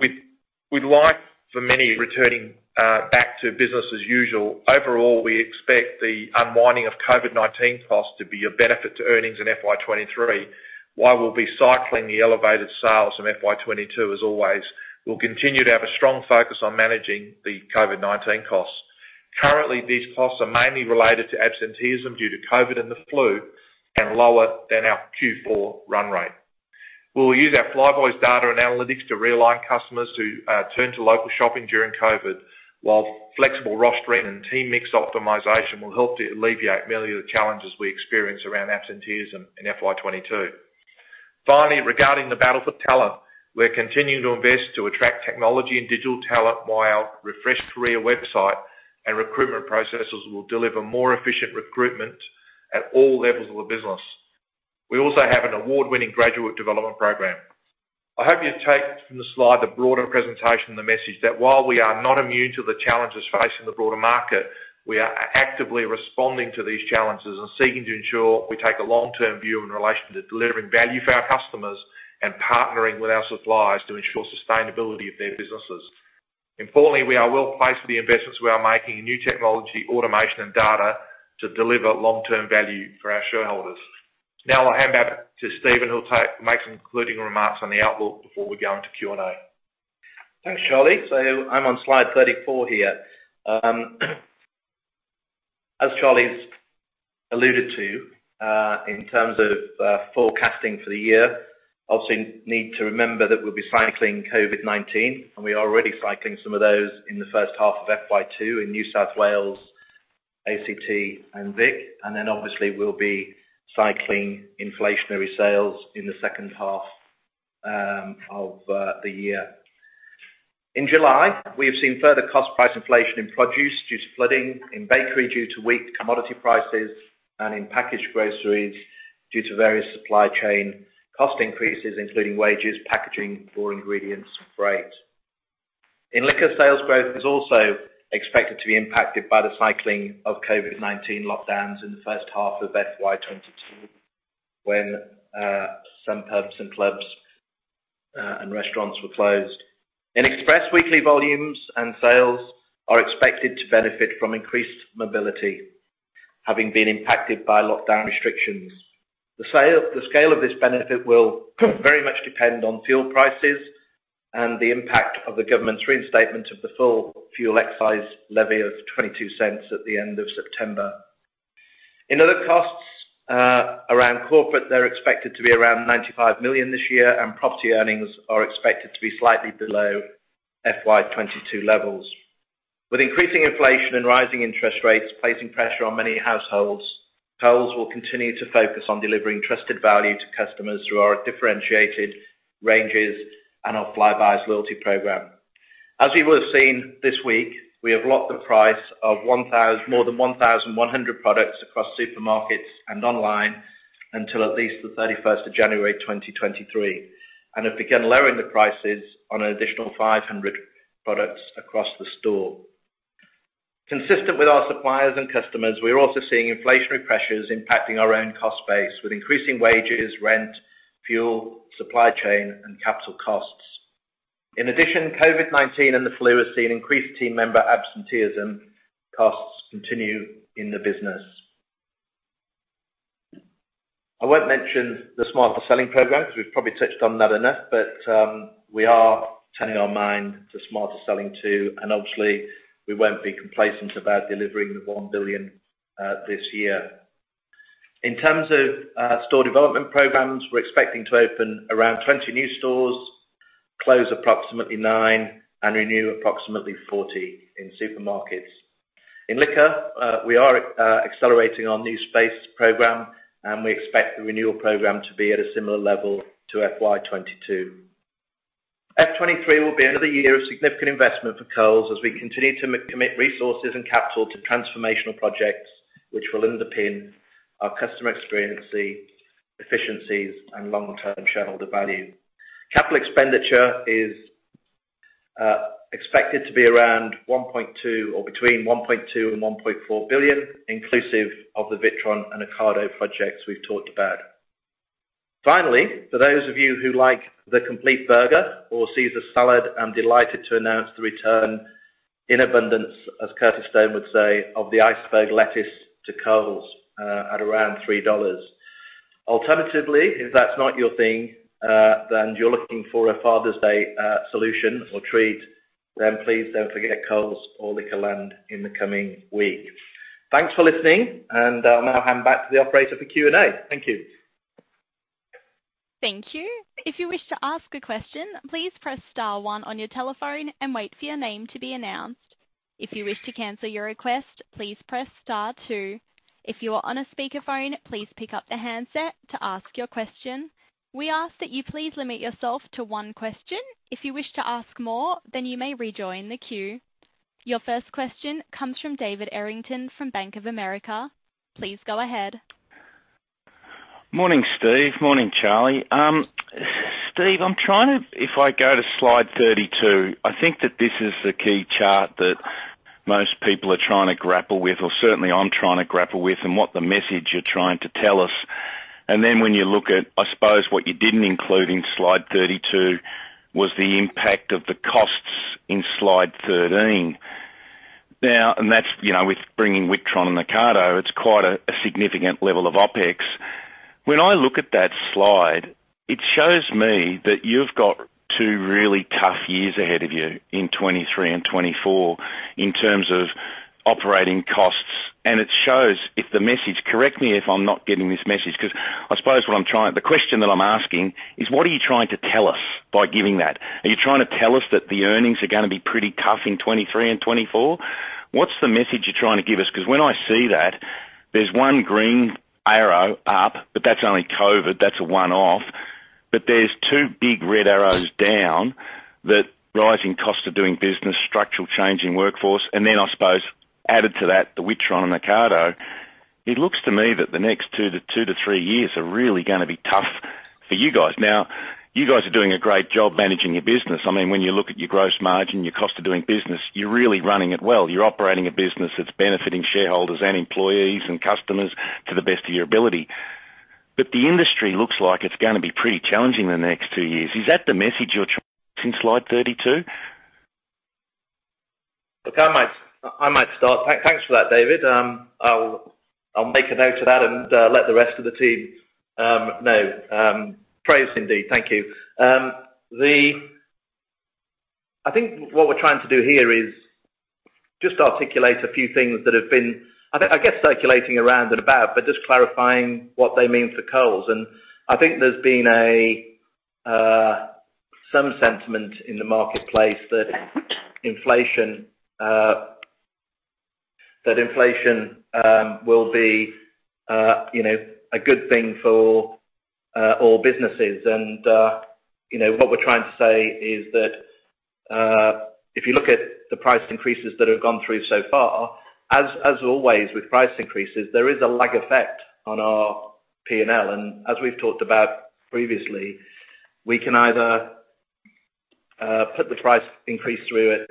We'd like many returning back to business as usual. Overall, we expect the unwinding of COVID-19 costs to be a benefit to earnings in FY 2023, while we'll be cycling the elevated sales from FY 2022 as always. We'll continue to have a strong focus on managing the COVID-19 costs. Currently, these costs are mainly related to absenteeism due to COVID and the flu, and lower than our Q4 run rate. We'll use our Flybuys data and analytics to realign customers who turn to local shopping during COVID, while flexible rostering and team mix optimization will help to alleviate many of the challenges we experience around absenteeism in FY 2022. Finally, regarding the battle for talent, we're continuing to invest to attract technology and digital talent via our refreshed career website, and recruitment processes will deliver more efficient recruitment at all levels of the business. We also have an award-winning graduate development program. I hope you take from this slide the broader presentation and the message that while we are not immune to the challenges facing the broader market, we are actively responding to these challenges and seeking to ensure we take a long-term view in relation to delivering value for our customers and partnering with our suppliers to ensure sustainability of their businesses. Importantly, we are well-placed for the investments we are making in new technology, automation and data to deliver long-term value for our shareholders. Now I'll hand back to Steven, who'll make some concluding remarks on the outlook before we go into Q&A. Thanks, Charlie. I'm on slide 34 here. As Charlie's alluded to, in terms of forecasting for the year, obviously need to remember that we'll be cycling COVID-19, and we're already cycling some of those in the first half of FY 2022 in New South Wales, ACT and Victoria. Obviously we'll be cycling inflationary sales in the second half of the year. In July, we have seen further cost price inflation in produce due to flooding, in bakery due to weak commodity prices, and in packaged groceries due to various supply chain cost increases, including wages, packaging, raw ingredients and freight. In Liquor sales growth is also expected to be impacted by the cycling of COVID-19 lockdowns in the first half of FY 2022, when some pubs and clubs and restaurants were closed. In Express, weekly volumes and sales are expected to benefit from increased mobility, having been impacted by lockdown restrictions. The scale of this benefit will very much depend on fuel prices and the impact of the government's reinstatement of the full fuel excise levy of 0.22 at the end of September. In other costs around corporate, they're expected to be around 95 million this year, and property earnings are expected to be slightly below FY 2022 levels. With increasing inflation and rising interest rates placing pressure on many households, Coles will continue to focus on delivering trusted value to customers through our differentiated ranges and our Flybuys loyalty program. As you will have seen this week, we have locked the price of more than 1,100 products across supermarkets and online until at least the 31st of January 2023, and have begun lowering the prices on an additional 500 products across the store. Consistent with our suppliers and customers, we are also seeing inflationary pressures impacting our own cost base with increasing wages, rent, fuel, supply chain, and capital costs. In addition, COVID-19 and the flu have seen increased team member absenteeism costs continue in the business. I won't mention the Smarter Selling program because we've probably touched on that enough, but we are turning our mind to Smarter Selling 2, and obviously, we won't be complacent about delivering the 1 billion this year. In terms of store development programs, we're expecting to open around 20 new stores, close approximately 9, and renew approximately 40 in Supermarkets. In Liquor, we are accelerating our new space program, and we expect the renewal program to be at a similar level to FY 2022. FY 2023 will be another year of significant investment for Coles as we continue to commit resources and capital to transformational projects, which will underpin our customer experience, the efficiencies, and long-term shareholder value. Capital expenditure is expected to be around 1.2 billion or between 1.2 billion and 1.4 billion, inclusive of the Witron and Ocado projects we've talked about. Finally, for those of you who like the complete burger or Caesar salad, I'm delighted to announce the return in abundance, as Curtis Stone would say, of the iceberg lettuce to Coles, at around 3 dollars. Alternatively, if that's not your thing, then you're looking for a Father's Day solution or treat, then please don't forget Coles or Liquorland in the coming week. Thanks for listening, and I'll now hand back to the operator for Q&A. Thank you. Thank you. If you wish to ask a question, please press star one on your telephone and wait for your name to be announced. If you wish to cancel your request, please press star two. If you are on a speakerphone, please pick up the handset to ask your question. We ask that you please limit yourself to one question. If you wish to ask more, then you may rejoin the queue. Your first question comes from David Errington from Bank of America. Please go ahead. Morning, Steven. Morning, Charlie. Steven, I'm trying. If I go to slide 32, I think that this is the key chart that most people are trying to grapple with or certainly I'm trying to grapple with and what the message you're trying to tell us. Then when you look at, I suppose what you didn't include in slide 32 was the impact of the costs in slide 13. Now, that's, you know, with bringing Witron and Ocado, it's quite a significant level of OpEx. When I look at that slide, it shows me that you've got two really tough years ahead of you in 2023 and 2024 in terms of operating costs. It shows if the message, correct me if I'm not getting this message, 'cause I suppose what I'm trying. The question that I'm asking is, what are you trying to tell us by giving that? Are you trying to tell us that the earnings are gonna be pretty tough in 2023 and 2024? What's the message you're trying to give us? 'Cause when I see that, there's one green arrow up, but that's only COVID. That's a one-off. But there's 2 big red arrows down that rising cost of doing business, structural change in workforce, and then I suppose added to that, the Witron and Ocado. It looks to me that the next 2 years-3 years are really gonna be tough for you guys. Now, you guys are doing a great job managing your business. I mean, when you look at your gross margin, your cost of doing business, you're really running it well. You're operating a business that's benefiting shareholders and employees and customers to the best of your ability. The industry looks like it's gonna be pretty challenging the next two years. Is that the message you're trying in slide 32? Look, I might start. Thanks for that, David. I'll make a note of that and let the rest of the team know. Praise indeed. Thank you. I think what we're trying to do here is just articulate a few things that have been, I guess, circulating around and about, but just clarifying what they mean for Coles. I think there's been some sentiment in the marketplace that inflation will be, you know, a good thing for all businesses. You know, what we're trying to say is that, if you look at the price increases that have gone through so far, as always with price increases, there is a lag effect on our P&L. As we've talked about previously, we can either put the price increase through at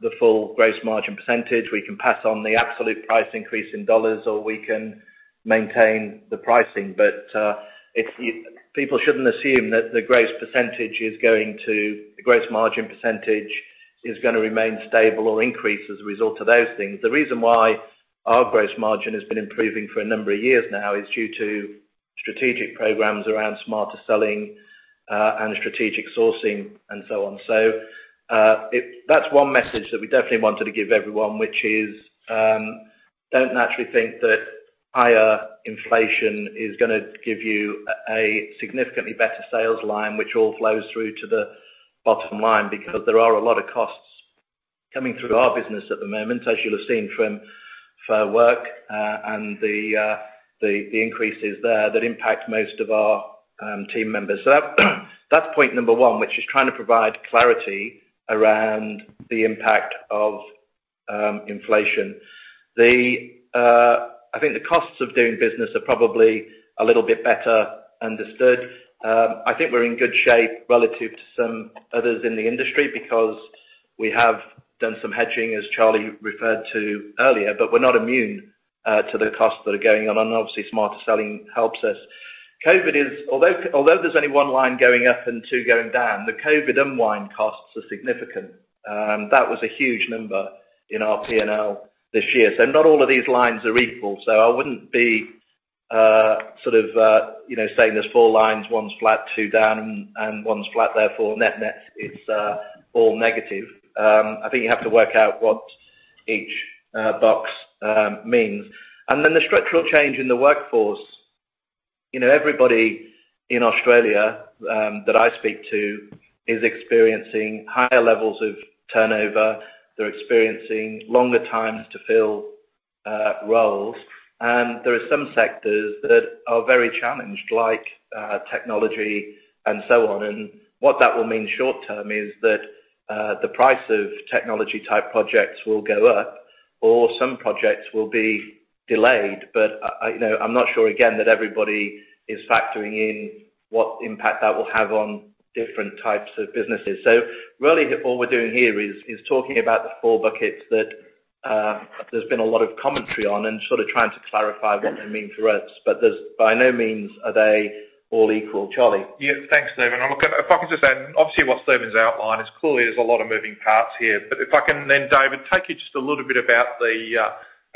the full gross margin percentage, we can pass on the absolute price increase in dollars, or we can maintain the pricing. People shouldn't assume that the gross margin percentage is gonna remain stable or increase as a result of those things. The reason why our gross margin has been improving for a number of years now is due to strategic programs around Smarter Selling and strategic sourcing and so on. That's one message that we definitely wanted to give everyone, which is, don't naturally think that higher inflation is gonna give you a significantly better sales line, which all flows through to the bottom line because there are a lot of costs coming through our business at the moment. As you'll have seen from Fair Work and the increases there that impact most of our team members. That's point number one, which is trying to provide clarity around the impact of inflation. I think the costs of doing business are probably a little bit better understood. I think we're in good shape relative to some others in the industry because we have done some hedging, as Charlie referred to earlier. We're not immune to the costs that are going on, and obviously Smarter Selling helps us. Although there's only one line going up and two going down, the COVID unwind costs are significant. That was a huge number in our P&L this year. Not all of these lines are equal, so I wouldn't be, sort of, you know, saying there's four lines, one's flat, two down, and one's flat, therefore net-net is all negative. I think you have to work out what each box means. Then the structural change in the workforce. You know, everybody in Australia that I speak to is experiencing higher levels of turnover. They're experiencing longer times to fill roles. There are some sectors that are very challenged, like technology and so on. What that will mean short term is that the price of technology type projects will go up or some projects will be delayed. I, you know, I'm not sure again that everybody is factoring in what impact that will have on different types of businesses. Really all we're doing here is talking about the four buckets that there's been a lot of commentary on and sort of trying to clarify what they mean for us. By no means are they all equal. Charlie? Yeah. Thanks, Steven. Look, if I could just add, obviously what Steven's outlined is clearly there's a lot of moving parts here. If I can then, David, take you just a little bit about the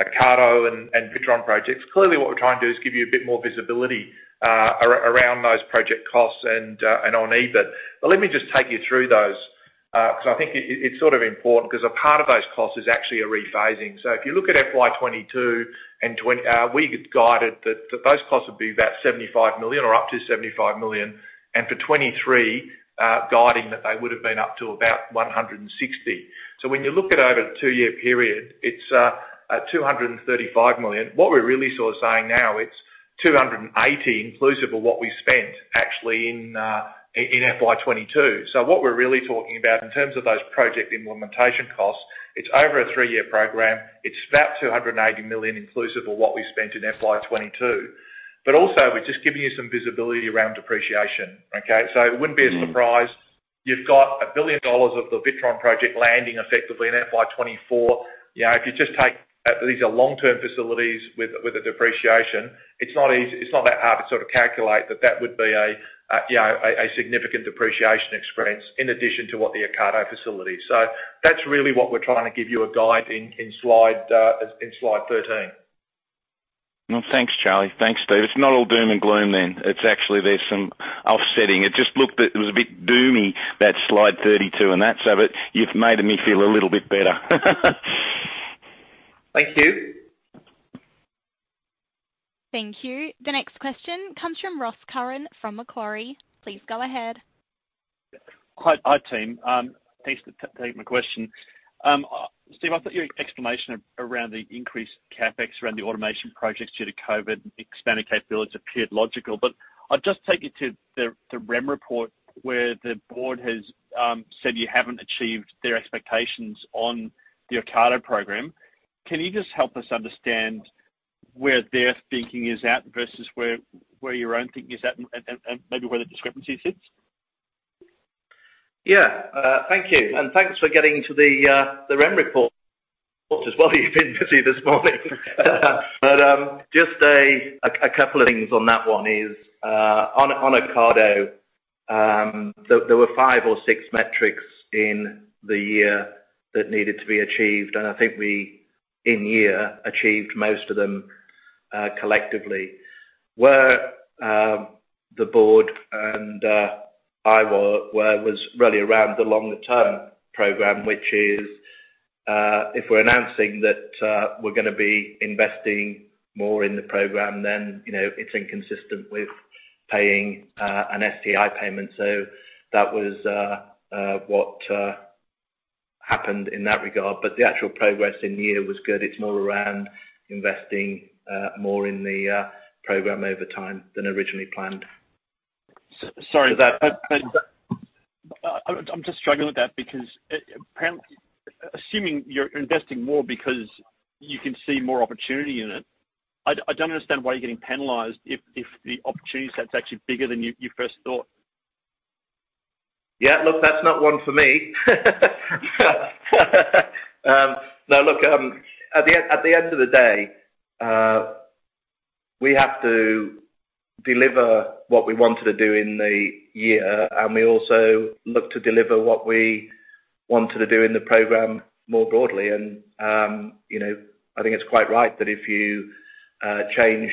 Ocado and Witron projects. Clearly what we're trying to do is give you a bit more visibility around those project costs and on EBIT. Let me just take you through those because I think it's sort of important because a part of those costs is actually a rephasing. If you look at FY 2022 and 2023, we had guided that those costs would be about 75 million or up to 75 million. For 2023, guiding that they would have been up to about 160 million. When you look at over the two-year period, it's 235 million. What we're really sort of saying now, it's 280 inclusive of what we spent actually in FY 2022. What we're really talking about in terms of those project implementation costs, it's over a three-year program. It's about 280 million inclusive of what we spent in FY 2022. But also we're just giving you some visibility around depreciation, okay? It wouldn't be a surprise. You've got 1 billion dollars of the Witron project landing effectively in FY 2024. You know, if you just take these are long-term facilities with the depreciation. It's not that hard to sort of calculate that would be a you know, a significant depreciation experience in addition to what the Ocado facility. That's really what we're trying to give you a guide in slide thirteen. Well, thanks, Charlie. Thanks, Steven. It's not all doom and gloom then. It's actually there's some offsetting. It just looked a bit doomy, that slide 32 and that. But you've made me feel a little bit better. Thank you. Thank you. The next question comes from Ross Curran from Macquarie. Please go ahead. Hi, team. Thanks for taking my question. Steven, I thought your explanation around the increased CapEx around the automation projects due to COVID expanding capabilities appeared logical. I'll just take you to the Remuneration Report, where the Board has said you haven't achieved their expectations on the Ocado program. Can you just help us understand where their thinking is at versus where your own thinking is at and maybe where the discrepancy sits? Yeah. Thank you, and thanks for getting to the Remuneration Report as well. You've been busy this morning. Just a couple of things on that one is, on Ocado, there were five or six metrics in the year that needed to be achieved. I think we in year achieved most of them, collectively. Where the board and I was really around the longer term program, which is, if we're announcing that we're gonna be investing more in the program, then, you know, it's inconsistent with paying an STI payment. That was what happened in that regard. The actual progress in the year was good. It's more around investing more in the program over time than originally planned. Sorry. I'm just struggling with that because assuming you're investing more because you can see more opportunity in it. I don't understand why you're getting penalized if the opportunity set's actually bigger than you first thought? Yeah. Look, that's not one for me. No, look, at the end of the day, we have to deliver what we wanted to do in the year, and we also look to deliver what we wanted to do in the program more broadly. You know, I think it's quite right that if you change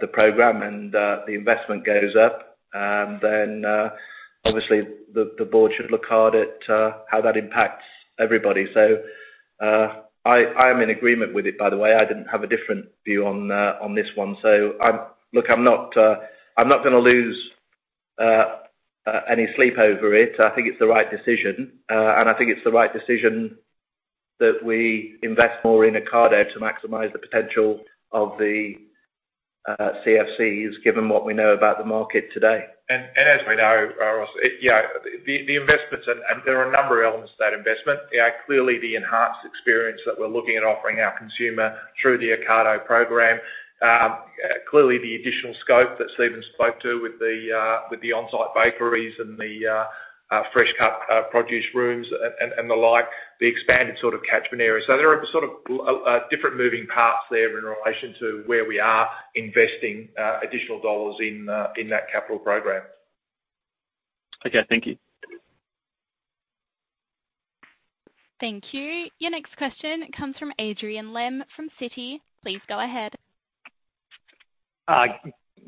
the program and the investment goes up, then obviously the board should look hard at how that impacts everybody. I am in agreement with it, by the way. I didn't have a different view on this one. Look, I'm not gonna lose any sleep over it. I think it's the right decision. I think it's the right decision that we invest more in Ocado to maximize the potential of the CFCs, given what we know about the market today. As we know, Ross, the investments and there are a number of elements to that investment. Yeah. Clearly, the enhanced experience that we're looking at offering our consumer through the Ocado program. Clearly the additional scope that Steven spoke to with the on-site bakeries and the fresh cut produce rooms and the like, the expanded sort of catchment area. There are sort of different moving parts there in relation to where we are investing additional dollars in that capital program. Okay, thank you. Thank you. Your next question comes from Adrian Lemme from Citigroup. Please go ahead.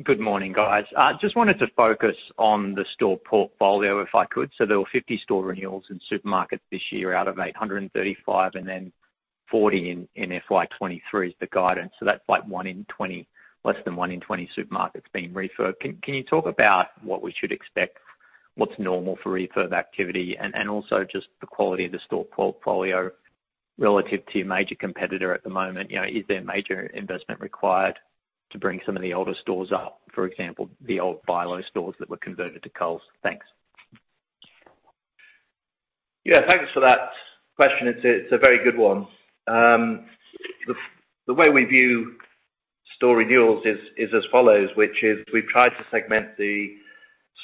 Good morning, guys. I just wanted to focus on the store portfolio, if I could. There were 50 store renewals in Supermarkets this year out of 835, and then 40 in FY 2023 is the guidance. That's like 1 in 20, less than 1 in 20 Supermarkets being refurb. Can you talk about what we should expect? What's normal for refurb activity? And also just the quality of the store portfolio relative to your major competitor at the moment. You know, is there major investment required to bring some of the older stores up, for example, the old Bi-Lo stores that were converted to Coles? Thanks. Yeah. Thank you for that question. It's a very good one. The way we view store renewals is as follows, which is we've tried to segment the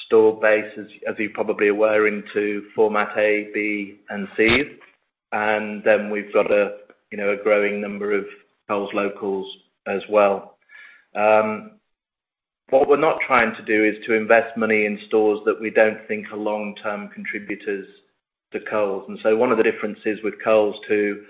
store base as you probably are aware, into Format A, B, and C. We've got you know a growing number of Coles Local as well. What we're not trying to do is to invest money in stores that we don't think are long-term contributors to Coles. One of the differences with Coles to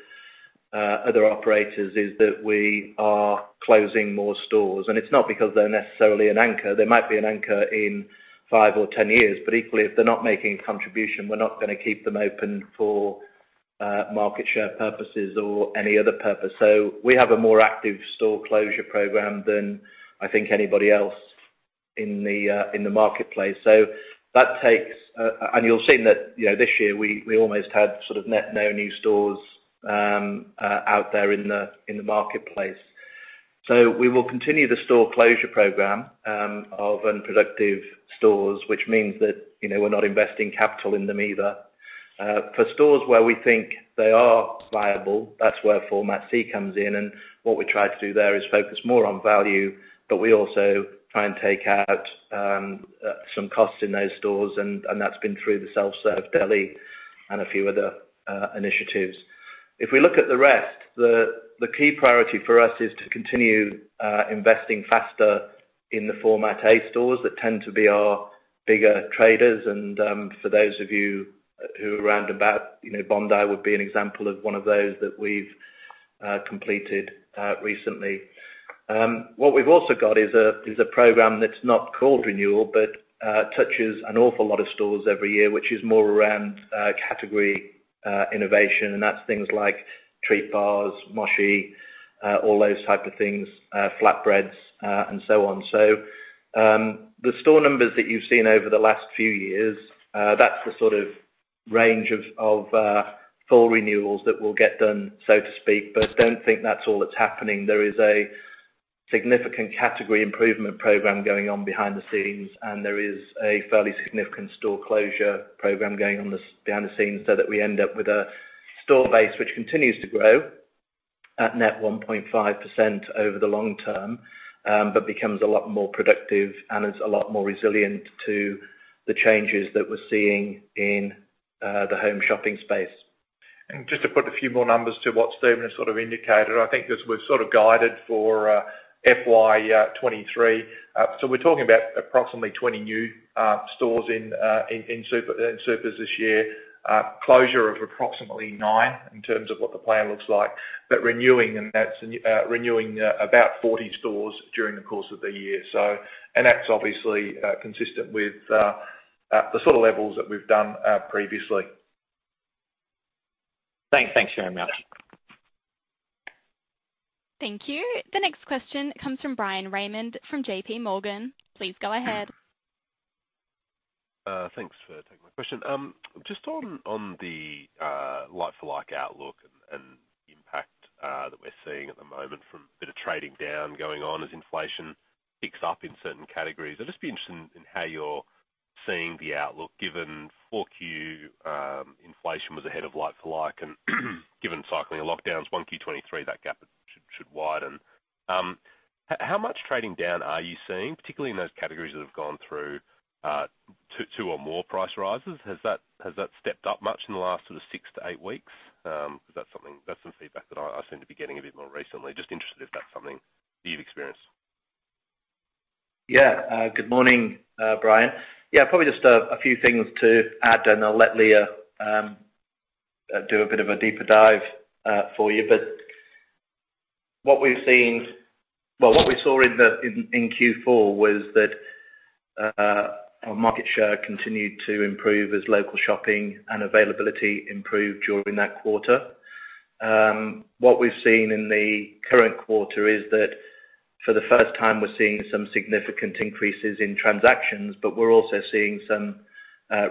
other operators is that we are closing more stores. It's not because they're necessarily an anchor. They might be an anchor in 5 years or 10 years, but equally, if they're not making a contribution, we're not gonna keep them open for market share purposes or any other purpose. We have a more active store closure program than, I think, anybody else in the marketplace. You'll have seen that, you know, this year we almost had sort of net no new stores out there in the marketplace. We will continue the store closure program of unproductive stores, which means that, you know, we're not investing capital in them either. For stores where we think they are viable, that's where Format C comes in. What we try to do there is focus more on value, but we also try and take out some costs in those stores, and that's been through the self-serve deli and a few other initiatives. If we look at the rest, the key priority for us is to continue investing faster in the Format A stores that tend to be our bigger traders. For those of you who are around about, you know, Bondi would be an example of one of those that we've completed recently. What we've also got is a program that's not called renewal, but touches an awful lot of stores every year, which is more around category innovation, and that's things like treat bars, mochi, all those type of things, flatbreads, and so on. The store numbers that you've seen over the last few years, that's the sort of range of full renewals that we'll get done, so to speak. Don't think that's all that's happening. There is a significant category improvement program going on behind the scenes, and there is a fairly significant store closure program going on behind the scenes, so that we end up with a store base which continues to grow at net 1.5% over the long term, but becomes a lot more productive and is a lot more resilient to the changes that we're seeing in the home shopping space. Just to put a few more numbers to what Steven has sort of indicated, I think as we've sort of guided for FY 2023. We're talking about approximately 20 new stores in supers this year. Closure of approximately nine in terms of what the plan looks like, but renewing about 40 stores during the course of the year. That's obviously consistent with the sort of levels that we've done previously. Thanks. Thanks very much. Thank you. The next question comes from Bryan Raymond from JPMorgan. Please go ahead. Thanks for taking my question. Just on the like-for-like outlook and impact that we're seeing at the moment from a bit of trading down going on as inflation picks up in certain categories. I'd just be interested in how you're seeing the outlook, given 4Q inflation was ahead of like-for-like, and given cycling and lockdowns, 1Q 2023, that gap should widen. How much trading down are you seeing, particularly in those categories that have gone through two or more price rises? Has that stepped up much in the last sort of 6 weeks-8 weeks? 'Cause that's something. That's some feedback that I seem to be getting a bit more recently. Just interested if that's something you've experienced. Yeah. Good morning, Bryan. Yeah, probably just a few things to add, and I'll let Leah do a bit of a deeper dive for you. What we've seen. Well, what we saw in Q4 was that our market share continued to improve as local shopping and availability improved during that quarter. What we've seen in the current quarter is that for the first time we're seeing some significant increases in transactions, but we're also seeing some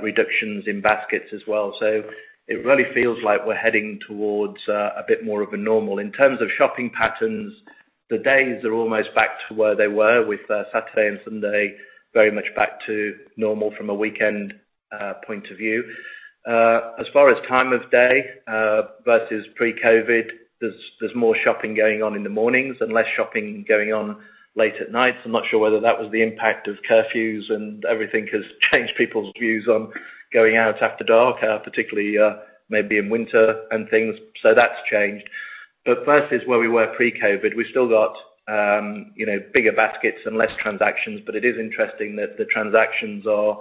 reductions in baskets as well. It really feels like we're heading towards a bit more of a normal. In terms of shopping patterns, the days are almost back to where they were, with Saturday and Sunday very much back to normal from a weekend point of view. As far as time of day, versus pre-COVID, there's more shopping going on in the mornings and less shopping going on late at night. I'm not sure whether that was the impact of curfews and everything has changed people's views on going out after dark, particularly, maybe in winter and things. That's changed. Versus where we were pre-COVID, we've still got, you know, bigger baskets and less transactions. It is interesting that the transactions are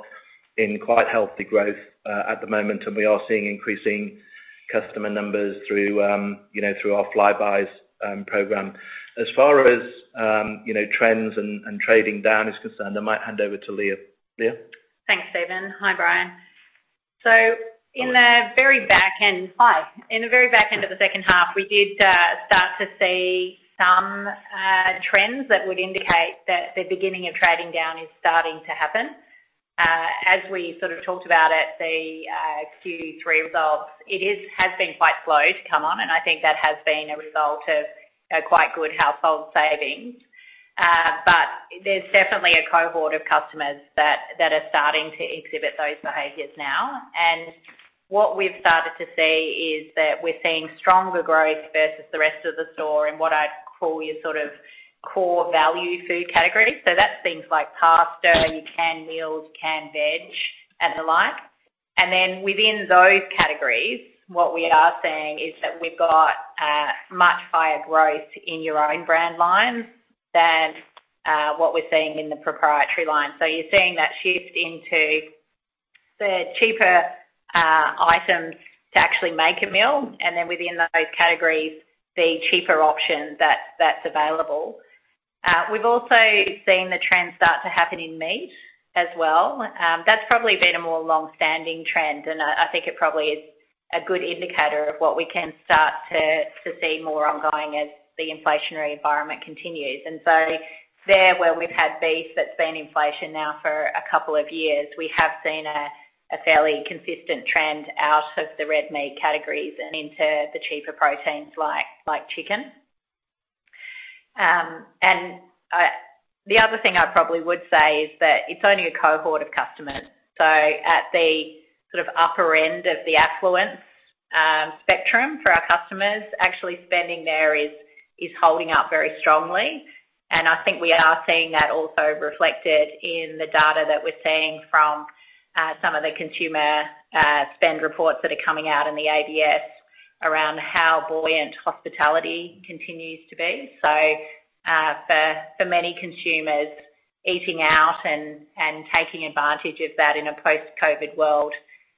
in quite healthy growth, at the moment, and we are seeing increasing customer numbers through, you know, through our Flybuys, program. As far as, you know, trends and trading down is concerned, I might hand over to Leah. Leah? Thanks, Steven. Hi, Bryan. In the very back end of the second half, we did start to see some trends that would indicate that the beginning of trading down is starting to happen. As we sort of talked about at the Q3 results, it has been quite slow to come on, and I think that has been a result of quite good household savings. But there's definitely a cohort of customers that are starting to exhibit those behaviors now. What we've started to see is that we're seeing stronger growth versus the rest of the store in what I'd call your sort of core value food category. That's things like pasta, your canned meals, canned veg, and the like. Then within those categories, what we are seeing is that we've got much higher growth in your own brand lines than what we're seeing in the proprietary line. You're seeing that shift into the cheaper items to actually make a meal, and then within those categories, the cheaper option that's available. We've also seen the trend start to happen in meat as well. That's probably been a more long-standing trend, and I think it probably is a good indicator of what we can start to see more ongoing as the inflationary environment continues. There, where we've had beef that's seen inflation now for a couple of years, we have seen a fairly consistent trend out of the red meat categories and into the cheaper proteins like chicken. The other thing I probably would say is that it's only a cohort of customers. At the sort of upper end of the affluence spectrum for our customers, actually spending there is holding up very strongly. I think we are seeing that also reflected in the data that we're seeing from some of the consumer spend reports that are coming out in the ABS around how buoyant hospitality continues to be. For many consumers, eating out and taking advantage of that in a post-COVID world,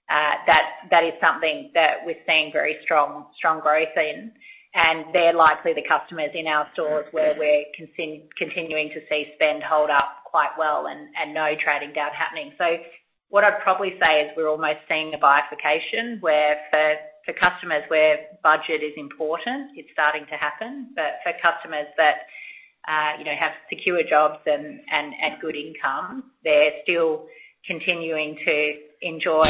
that is something that we're seeing very strong growth in. They're likely the customers in our stores where we're continuing to see spend hold up quite well and no trading down happening. What I'd probably say is we're almost seeing a bifurcation, where for customers where budget is important, it's starting to happen. For customers that you know have secure jobs and good income, they're still continuing to enjoy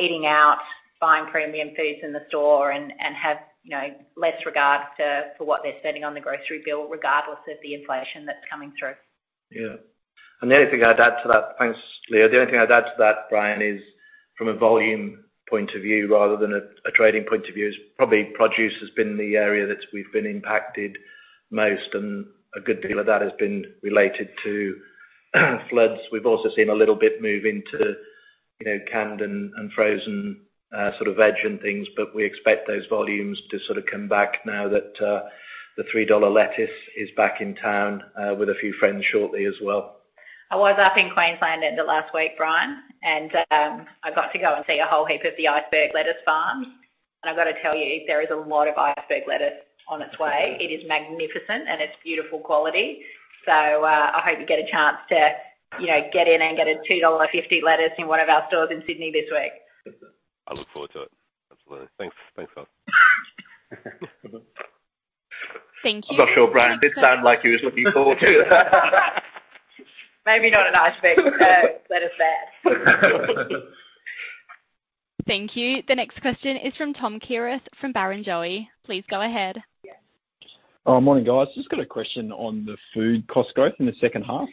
eating out, buying premium foods in the store and have you know less regard for what they're spending on the grocery bill, regardless of the inflation that's coming through. Yeah. The only thing I'd add to that. Thanks, Leah. The only thing I'd add to that, Bryan, is from a volume point of view rather than a trading point of view is probably produce has been the area that we've been impacted most, and a good deal of that has been related to floods. We've also seen a little bit move into, you know, canned and frozen sort of veg and things, but we expect those volumes to sort of come back now that the 3 dollar lettuce is back in town with a few friends shortly as well. I was up in Queensland end of last week, Bryan, I got to go and see a whole heap of the iceberg lettuce farms. I've got to tell you, there is a lot of iceberg lettuce on its way. It is magnificent, and it's beautiful quality. I hope you get a chance to, you know, get in and get a 2.50 dollar lettuce in one of our stores in Sydney this week. I look forward to it. Absolutely. Thanks. Thanks, guys. Thank you. I'm not sure Bryan did sound like he was looking forward to it. Maybe not an iceberg lettuce there. Thank you. The next question is from Thomas Kierath from Barrenjoey. Please go ahead. Morning, guys. Just got a question on the food cost growth in the second half.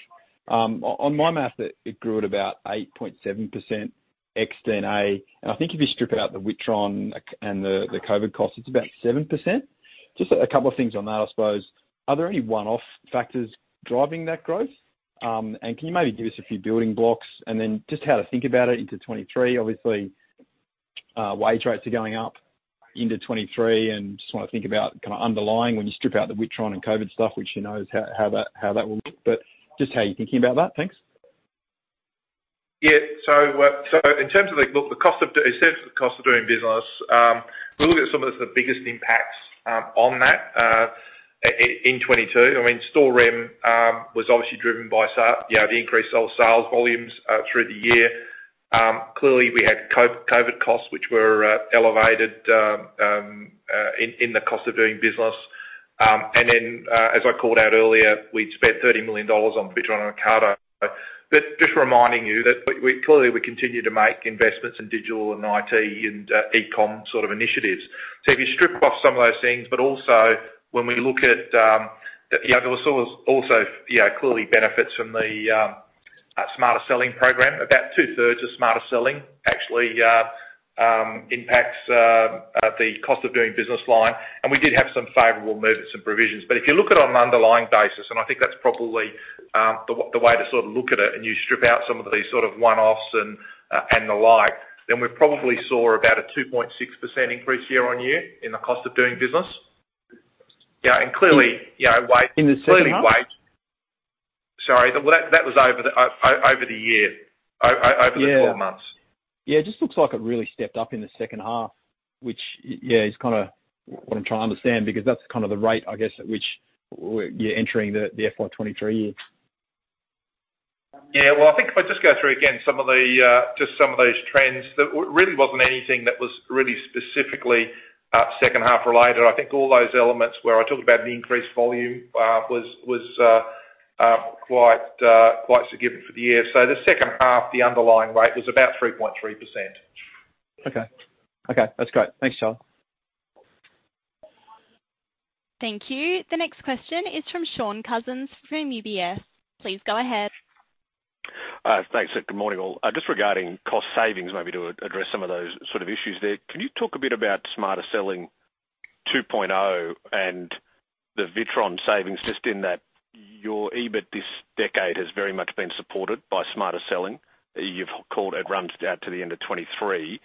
On my math it grew at about 8.7% ex D&A. I think if you strip out the Witron and the COVID costs, it's about 7%. Just a couple of things on that, I suppose. Are there any one-off factors driving that growth? Can you maybe give us a few building blocks and then just how to think about it into 2023? Obviously, wage rates are going up into 2023, and just wanna think about kind of underlying when you strip out the Witron and COVID stuff, which who knows how that will look. But just how you're thinking about that? Thanks. In terms of the cost of doing business, we look at some of the biggest impacts on that in 2022. I mean, store rent was obviously driven by, you know, the increased sales volumes through the year. Clearly we had COVID costs, which were elevated in the cost of doing business. As I called out earlier, we'd spent 30 million dollars on Witron and Ocado. Just reminding you that we clearly continue to make investments in digital and IT and e-com sort of initiatives. If you strip off some of those things, but also when we look at, you know, there was also clearly benefits from the Smarter Selling program. About 2/3 of Smarter Selling actually impacts the cost of doing business line. We did have some favorable movements and provisions. If you look at it on an underlying basis, and I think that's probably the way to sort of look at it, and you strip out some of these sort of one-offs and the like, then we probably saw about a 2.6% increase year-on-year in the cost of doing business. Yeah, clearly, you know, wait. In the second half? Sorry, that was over the year. Over the 12 months. Yeah, it just looks like it really stepped up in the second half, which yeah, is kind of what I'm trying to understand because that's kind of the rate, I guess, at which you're entering the FY 2023 year. Yeah, well, I think if I just go through again some of the just some of those trends, there really wasn't anything that was really specifically second half related. I think all those elements where I talked about an increased volume was quite significant for the year. The second half, the underlying rate was about 3.3%. Okay. Okay, that's great. Thanks, Charlie. Thank you. The next question is from Shaun Cousins from UBS. Please go ahead. Thanks. Good morning, all. Just regarding cost savings, maybe to address some of those sort of issues there. Can you talk a bit about Smarter Selling 2.0 and the Witron savings given that your EBIT this decade has very much been supported by Smarter Selling. You've called it runs out to the end of 2023.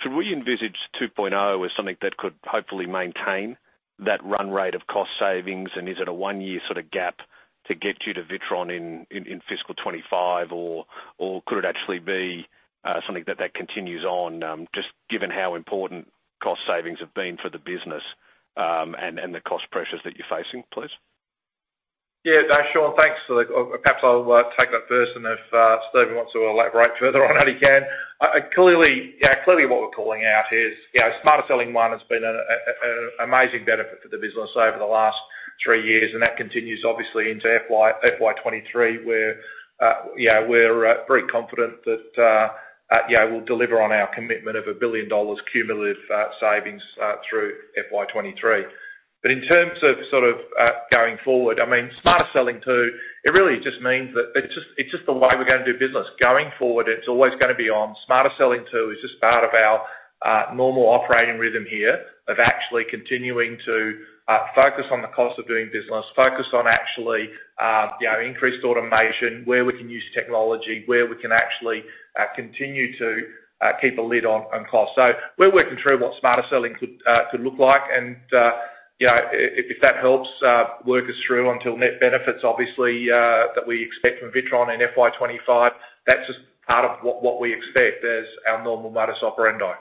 Should we Envisage 2.0 as something that could hopefully maintain that run rate of cost savings? And is it a one-year sort of gap to get you to Witron in fiscal 2025, or could it actually be something that continues on just given how important cost savings have been for the business and the cost pressures that you're facing, please? Yeah, Shaun, thanks. Perhaps I'll take that first, and if Steven wants to elaborate further on that, he can. Clearly what we're calling out is, you know, Smarter Selling 1 has been an amazing benefit for the business over the last three years, and that continues obviously into FY 2023, where we're very confident that we'll deliver on our commitment of 1 billion dollars cumulative savings through FY 2023. In terms of sort of going forward, I mean, Smarter Selling 2, it really just means that it's just the way we're gonna do business. Going forward, it's always gonna be on. Smarter Selling 2 is just part of our normal operating rhythm here of actually continuing to focus on the cost of doing business, focus on actually, you know, increased automation, where we can use technology, where we can actually continue to keep a lid on costs. We're working through what Smarter Selling could look like. You know, if that helps work us through until net benefits, obviously, that we expect from Witron in FY 2025, that's just part of what we expect as our normal modus operandi.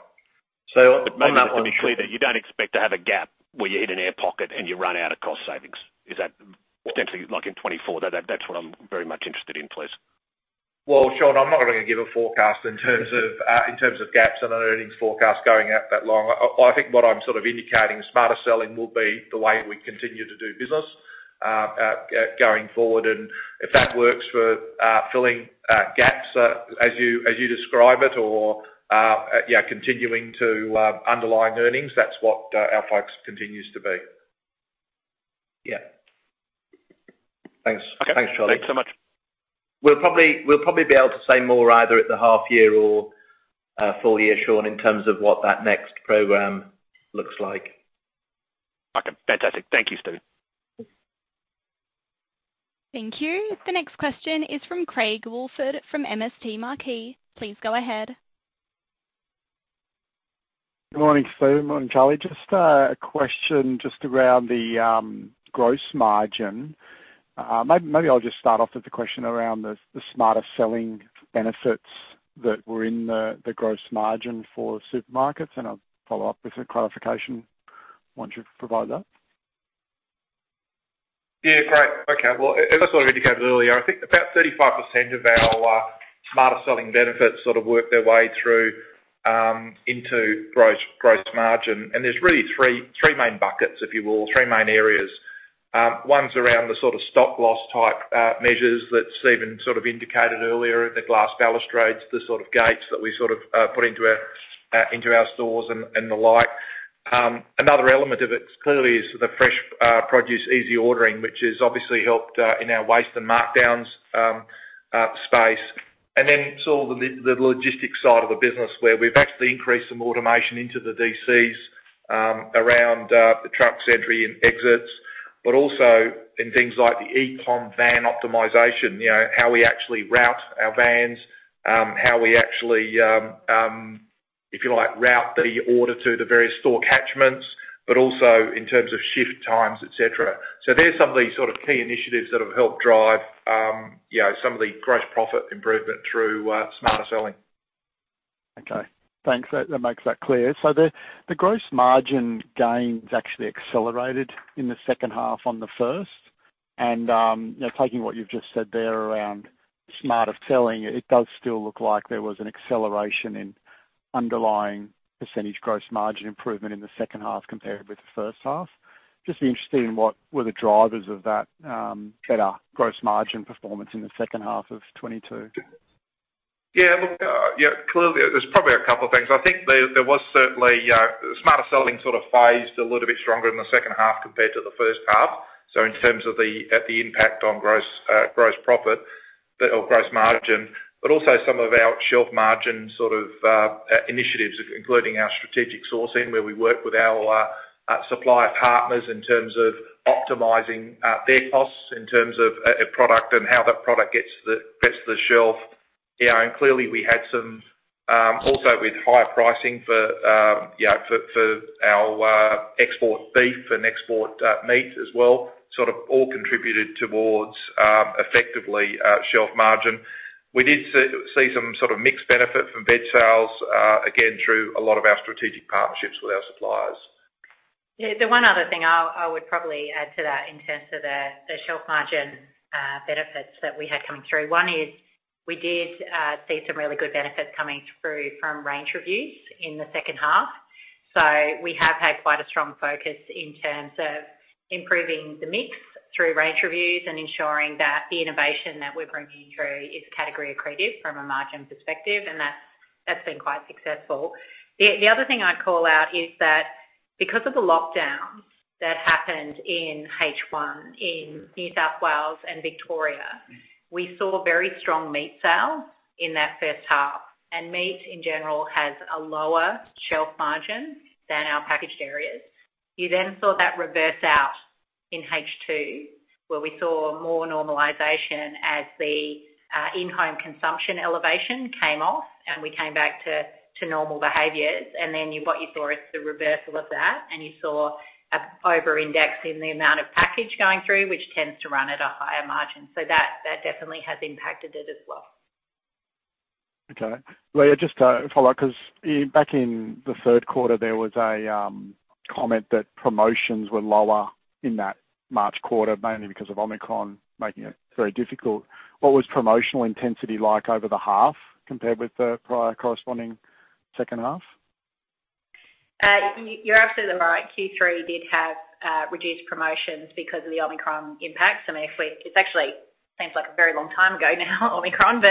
On that one. Maybe I should be clear there. You don't expect to have a gap where you hit an air pocket and you run out of cost savings. Is that potentially like in 2024? That, that's what I'm very much interested in, please. Well, Shaun, I'm not gonna give a forecast in terms of gaps on an earnings forecast going out that long. I think what I'm sort of indicating, Smarter Selling will be the way we continue to do business going forward. If that works for filling gaps as you describe it or yeah, continuing to underlying earnings, that's what our focus continues to be. Yeah. Thanks. Okay. Thanks, Charlie. Thanks so much. We'll probably be able to say more either at the half year or full year, Shaun, in terms of what that next program looks like. Okay, fantastic. Thank you, Steven. Thank you. The next question is from Craig Woolford from MST Marquee. Please go ahead. Good morning, Steven. Morning, Charlie. Just a question just around the gross margin. Maybe I'll just start off with the question around the Smarter Selling benefits that were in the gross margin for supermarkets? And I'll follow up with a clarification once you've provided that. Yeah, great. Okay. Well, as I indicated earlier, I think about 35% of our Smarter Selling benefits sort of work their way through into gross margin. There's really three main buckets, if you will, three main areas. One's around the sort of stock loss type measures that Steven sort of indicated earlier, the glass balustrades, the sort of gates that we sort of put into our stores and the like. Another element of it clearly is the fresh produce easy ordering, which has obviously helped in our waste and markdowns space. Then sort of the logistics side of the business, where we've actually increased some automation into the ADCs around the trucks entry and exits, but also in things like the eCom van optimization, you know, how we actually route our vans, if you like, route the order to the various store catchments, but also in terms of shift times, et cetera. There's some of the sort of key initiatives that have helped drive you know some of the gross profit improvement through Smarter Selling. Okay. Thanks. That makes that clear. The gross margin gains actually accelerated in the second half on the first half. Taking what you've just said there around Smarter Selling, it does still look like there was an acceleration in underlying percentage gross margin improvement in the second half compared with the first half. Just be interested in what were the drivers of that better gross margin performance in the second half of 2022? Yeah, look, yeah, clearly there's probably a couple things. I think there was certainly Smarter Selling sort of phased a little bit stronger in the second half compared to the first half. In terms of the impact on gross profit or gross margin. Also some of our shelf margin sort of initiatives, including our strategic sourcing, where we work with our supplier partners in terms of optimizing their costs in terms of a product and how that product gets to the shelf. Yeah, and clearly we had some also with higher pricing for our export beef and export meat as well, sort of all contributed towards effectively shelf margin. We did see some sort of mixed benefit from bed sales, again, through a lot of our strategic partnerships with our suppliers. Yeah. The one other thing I would probably add to that in terms of the shelf margin benefits that we had coming through. One is we did see some really good benefits coming through from range reviews in the second half. We have had quite a strong focus in terms of improving the mix through range reviews and ensuring that the innovation that we're bringing through is category accretive from a margin perspective, and that's been quite successful. The other thing I'd call out is that because of the lockdowns that happened in H1 in New South Wales and Victoria, we saw very strong meat sales in that first half. Meat in general has a lower shelf margin than our packaged areas. You then saw that reverse out in H2, where we saw more normalization as the in-home consumption elevation came off and we came back to normal behaviors. What you saw is the reversal of that, and you saw an over-index in the amount of package going through, which tends to run at a higher margin. That definitely has impacted it as well. Okay. Leah, just to follow up, back in the third quarter, there was a comment that promotions were lower in that March quarter, mainly because of Omicron making it very difficult. What was promotional intensity like over the half compared with the prior corresponding second half? You're absolutely right. Q3 did have reduced promotions because of the Omicron impacts. I mean, it actually seems like a very long time ago now, Omicron.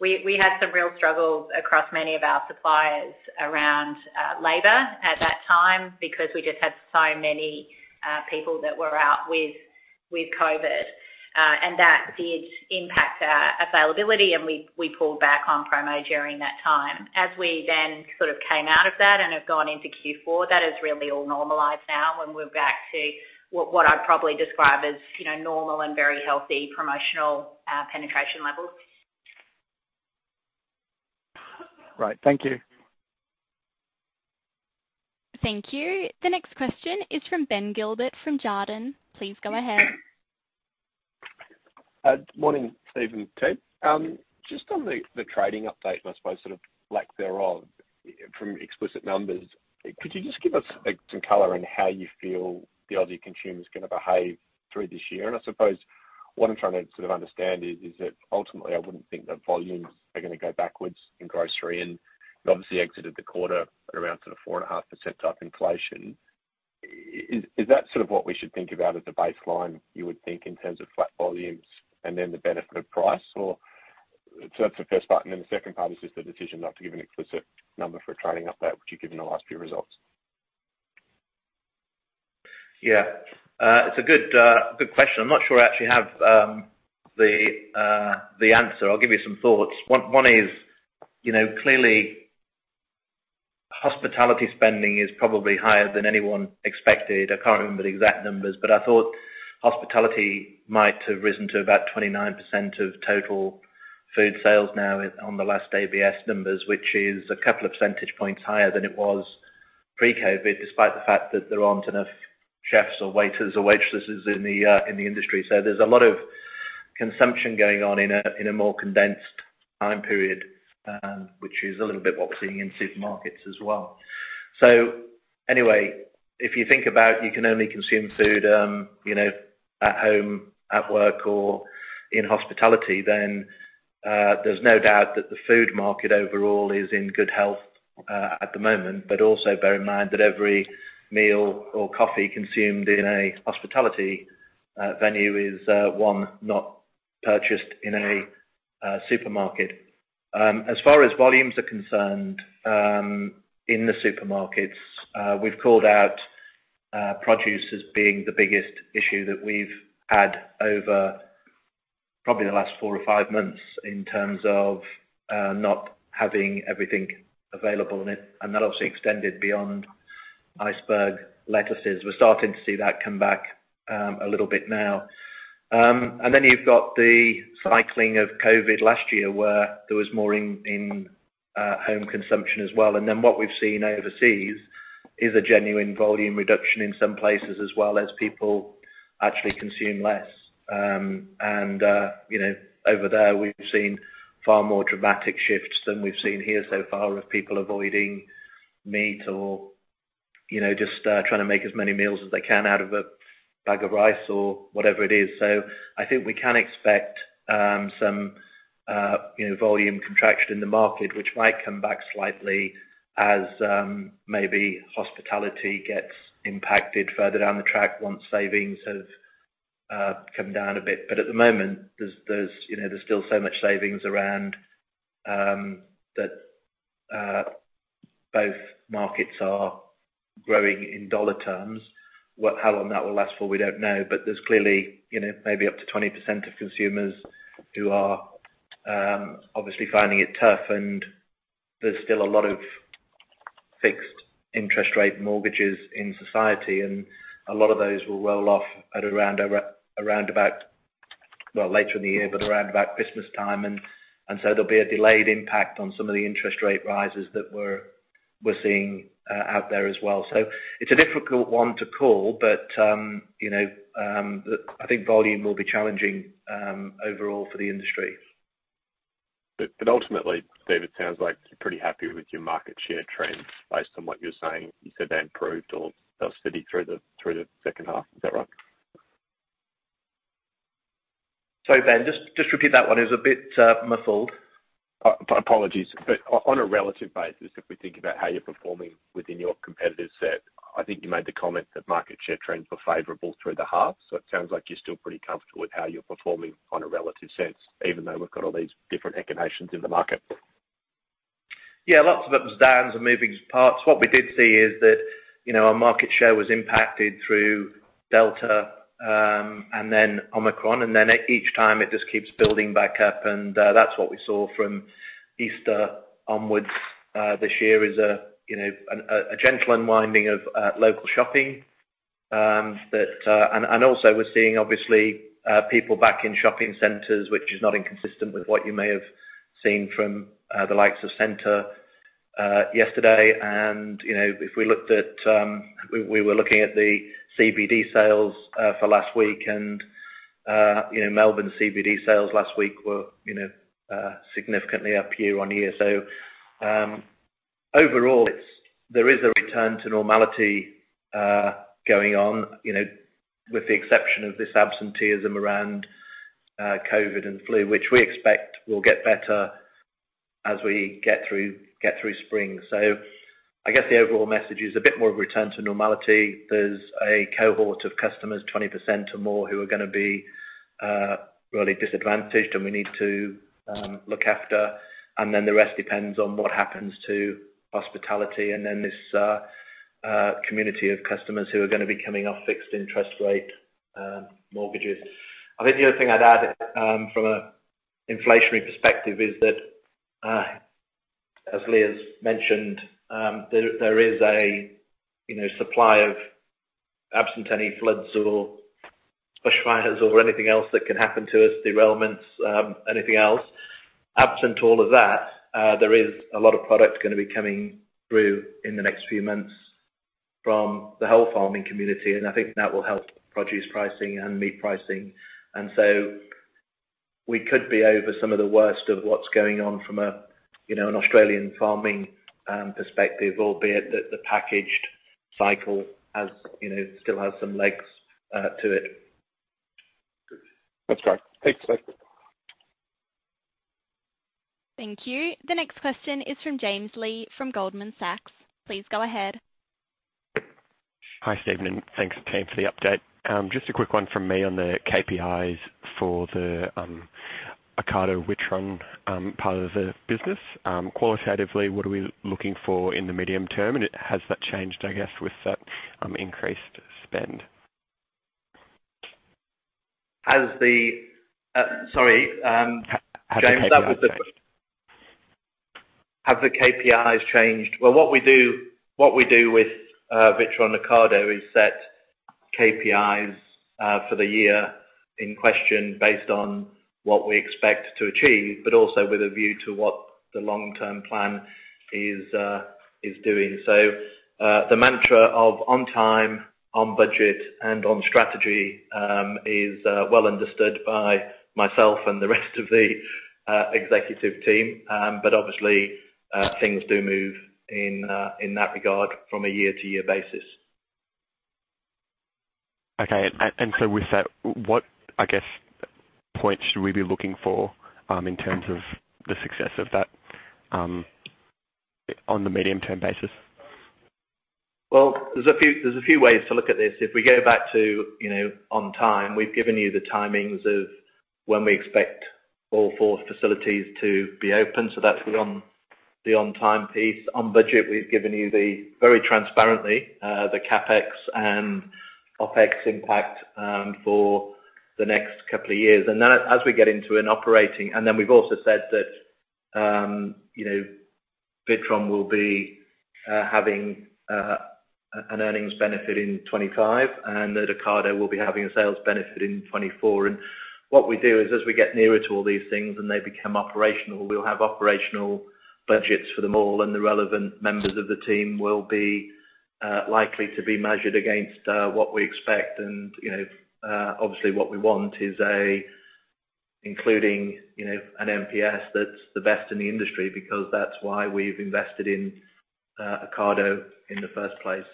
We had some real struggles across many of our suppliers around labor at that time because we just had so many people that were out with COVID. That did impact our availability, and we pulled back on promo during that time. As we then sort of came out of that and have gone into Q4, that has really all normalized now and we're back to what I'd probably describe as, you know, normal and very healthy promotional penetration levels. Right. Thank you. Thank you. The next question is from Ben Gilbert from Jarden. Please go ahead. Morning, Steven and team. Just on the trading update, and I suppose sort of lack thereof from explicit numbers, could you just give us, like, some color on how you feel the Aussie consumer is gonna behave through this year? I suppose what I'm trying to sort of understand is that ultimately I wouldn't think that volumes are gonna go backwards in grocery and obviously exited the quarter at around sort of 4.5% type inflation. Is that sort of what we should think about as the baseline, you would think, in terms of flat volumes and then the benefit of price or? That's the first part, then the second part is just the decision not to give an explicit number for a trading update, which you gave in the last few results. Yeah. It's a good question. I'm not sure I actually have the answer. I'll give you some thoughts. One is, you know, clearly hospitality spending is probably higher than anyone expected. I can't remember the exact numbers, but I thought hospitality might have risen to about 29% of total food sales now on the last ABS numbers, which is a couple of percentage points higher than it was pre-COVID, despite the fact that there aren't enough chefs or waiters or waitresses in the industry. There's a lot of consumption going on in a more condensed time period, which is a little bit what we're seeing in supermarkets as well. Anyway, if you think about you can only consume food, you know, at home, at work, or in hospitality, then, there's no doubt that the food market overall is in good health, at the moment. Also bear in mind that every meal or coffee consumed in a hospitality venue is one not purchased in a supermarket. As far as volumes are concerned, in the supermarkets, we've called out produce as being the biggest issue that we've had over probably the last 4 months or 5 months in terms of not having everything available, and that obviously extended beyond iceberg lettuces. We're starting to see that come back, a little bit now. You've got the cycling of COVID last year, where there was more in home consumption as well. What we've seen overseas is a genuine volume reduction in some places, as well as people actually consume less. Over there, we've seen far more dramatic shifts than we've seen here so far of people avoiding meat or you know, just trying to make as many meals as they can out of a bag of rice or whatever it is. So I think we can expect some you know volume contraction in the market, which might come back slightly as maybe hospitality gets impacted further down the track once savings have come down a bit. But at the moment, there's you know there's still so much savings around that both markets are growing in dollar terms. How long that will last for, we don't know. There's clearly, you know, maybe up to 20% of consumers who are obviously finding it tough, and there's still a lot of fixed interest rate mortgages in society, and a lot of those will roll off at around about, well, later in the year, but around about Christmas time. There'll be a delayed impact on some of the interest rate rises that we're seeing out there as well. It's a difficult one to call, but you know, I think volume will be challenging overall for the industry. Ultimately. Steven, sounds like you're pretty happy with your market share trends based on what you're saying. You said they improved or they're steady through the second half. Is that right? Sorry, Ben, just repeat that one. It was a bit muffled. Apologies. On a relative basis, if we think about how you're performing within your competitive set, I think you made the comment that market share trends were favorable through the half. It sounds like you're still pretty comfortable with how you're performing in a relative sense, even though we've got all these different economic conditions in the market. Yeah. Lots of ups and downs and moving parts. What we did see is that, you know, our market share was impacted through Delta, and then Omicron, and then each time, it just keeps building back up. That's what we saw from Easter onwards, this year, is a, you know, a gentle unwinding of local shopping. Also we're seeing obviously, people back in shopping centers, which is not inconsistent with what you may have seen from, the likes of Scentre, yesterday. You know, if we looked at, we were looking at the CBD sales, for last week and, you know, Melbourne CBD sales last week were, you know, significantly up year-on-year. Overall, there is a return to normality going on with the exception of this absenteeism around COVID and flu, which we expect will get better as we get through spring. I guess the overall message is a bit more of a return to normality. There's a cohort of customers, 20% or more, who are gonna be really disadvantaged and we need to look after. Then the rest depends on what happens to hospitality and then this community of customers who are gonna be coming off fixed interest rate mortgages. I think the other thing I'd add from a inflationary perspective is that, as Leah's mentioned, there is a supply of absent any floods or bushfires or anything else that can happen to us, derailments, anything else. Absent all of that, there is a lot of product gonna be coming through in the next few months from the whole farming community, and I think that will help produce pricing and meat pricing. We could be over some of the worst of what's going on from a, you know, an Australian farming perspective, albeit that the packaged cycle has, you know, still some legs to it. That's great. Thanks, Steven. Thank you. The next question is from James Li from Goldman Sachs. Please go ahead. Hi, Steven, and thanks, team, for the update. Just a quick one from me on the KPIs for the Ocado, Witron part of the business. Qualitatively, what are we looking for in the medium term, and has that changed, I guess, with that increased spend? Sorry, James, that was the first. Have the KPIs changed? Well, what we do with Witron and Ocado is set KPIs for the year in question based on what we expect to achieve, but also with a view to what the long-term plan is doing. The mantra of on time, on budget, and on strategy is well understood by myself and the rest of the executive team. Obviously, things do move in that regard from a year-to-year basis. Okay. With that, what, I guess, point should we be looking for in terms of the success of that on the medium-term basis? Well, there's a few ways to look at this. If we go back to, you know, on time, we've given you the timings of when we expect all four facilities to be open. So that's the on time piece. On budget, we've given you, very transparently, the CapEx and OpEx impact for the next couple of years. We've also said that, you know, Witron will be having an earnings benefit in 2025 and that Ocado will be having a sales benefit in 2024. What we do is as we get nearer to all these things and they become operational, we'll have operational budgets for them all, and the relevant members of the team will be likely to be measured against what we expect. You know, obviously what we want is, including, you know, an NPS that's the best in the industry because that's why we've invested in Ocado in the first place.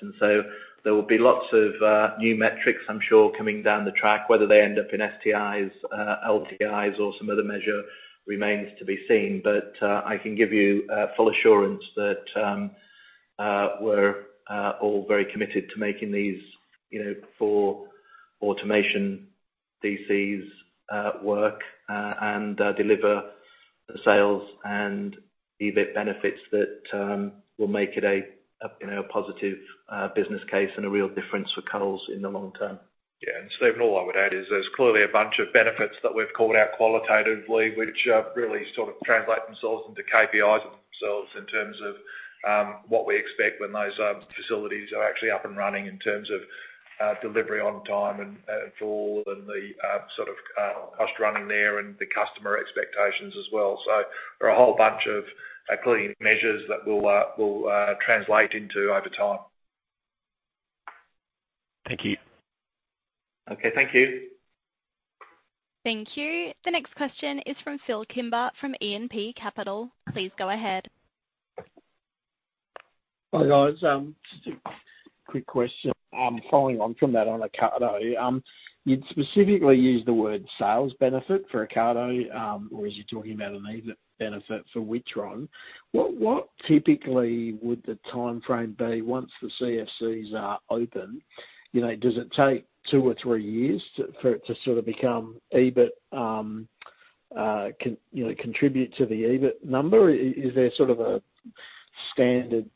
There will be lots of new metrics, I'm sure, coming down the track, whether they end up in STIs, LTIs or some other measure remains to be seen. I can give you full assurance that we're all very committed to making these, you know, four Automation DCs work and deliver the sales and EBIT benefits that will make it a, you know, a positive business case and a real difference for Coles in the long term. Yeah. Steven, all I would add is there's clearly a bunch of benefits that we've called out qualitatively, which really sort of translate themselves into KPIs themselves in terms of what we expect when those facilities are actually up and running in terms of delivery on time and full and the sort of cost running there and the customer expectations as well. There are a whole bunch of clear measures that we'll translate into over time. Thank you. Okay. Thank you. Thank you. The next question is from Phillip Kimber, from Evans and Partners Capital. Please go ahead. Hi, guys. Just a quick question, following on from that on Ocado. You'd specifically used the word sales benefit for Ocado, or are you talking about an EBIT benefit for Witron? What typically would the timeframe be once the CFCs are open? You know, does it take 2 years or 3 years for it to sort of become EBIT, you know, contribute to the EBIT number? Is there sort of a standard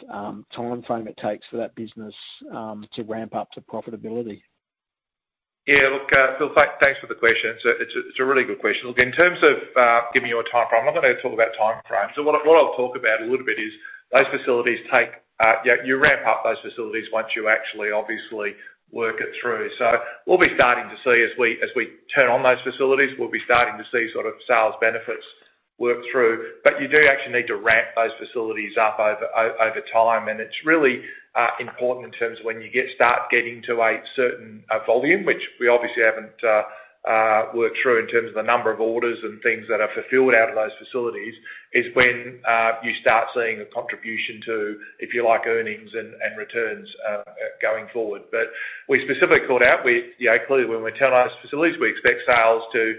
timeframe it takes for that business to ramp up to profitability? Yeah, look, Phillip, thanks for the question. It's a really good question. Look, in terms of giving you a timeframe, I'm not gonna talk about timeframes. What I'll talk about a little bit is those facilities. You ramp up those facilities once you actually obviously work it through. We'll be starting to see, as we turn on those facilities, sort of sales benefits work through. You do actually need to ramp those facilities up over time. It's really important in terms of when you start getting to a certain volume, which we obviously haven't worked through in terms of the number of orders and things that are fulfilled out of those facilities, is when you start seeing a contribution to, if you like, earnings and returns going forward. We specifically called out, you know, clearly when we turn on those facilities, we expect sales to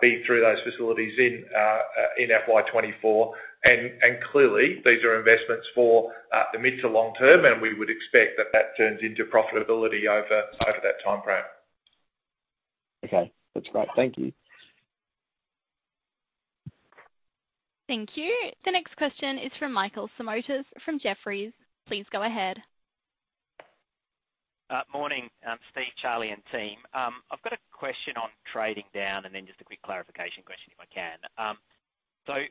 be through those facilities in FY 2024. Clearly these are investments for the mid to long term, and we would expect that turns into profitability over that timeframe. Okay. That's great. Thank you. Thank you. The next question is from Michael Simotas from Jefferies. Please go ahead. Morning, Steven, Charlie, and team. I've got a question on trading down and then just a quick clarification question if I can.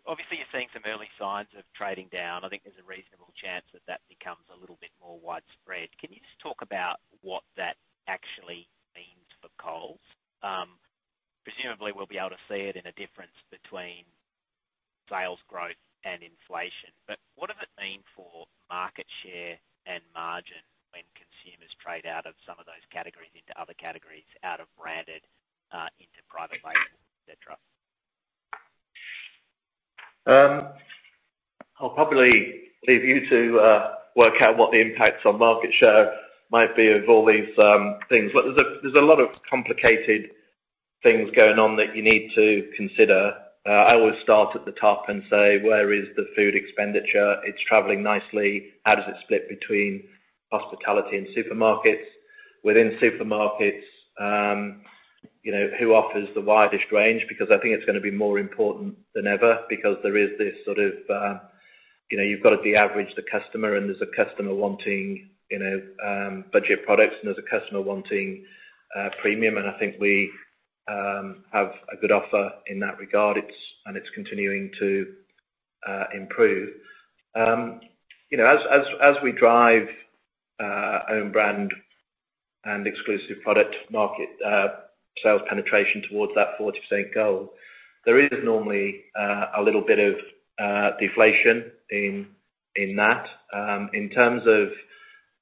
Obviously you're seeing some early signs of trading down. I think there's a reasonable chance that that becomes a little bit more widespread. Can you just talk about what that actually means for Coles? Presumably we'll be able to see it in a difference between sales growth and inflation. What does it mean for market share and margin when consumers trade out of some of those categories into other categories out of branded, into private label, et cetera? I'll probably leave you to work out what the impacts on market share might be of all these things. There's a lot of complicated things going on that you need to consider. I always start at the top and say, where is the food expenditure? It's traveling nicely. How does it split between hospitality and supermarkets? Within supermarkets, you know, who offers the widest range? Because I think it's gonna be more important than ever because there is this sort of, you know, you've got to de-average the customer, and there's a customer wanting, you know, budget products, and there's a customer wanting premium, and I think we have a good offer in that regard. It's continuing to improve. You know, as we drive own brand and exclusive product market sales penetration towards that 40% goal, there is normally a little bit of deflation in that in terms of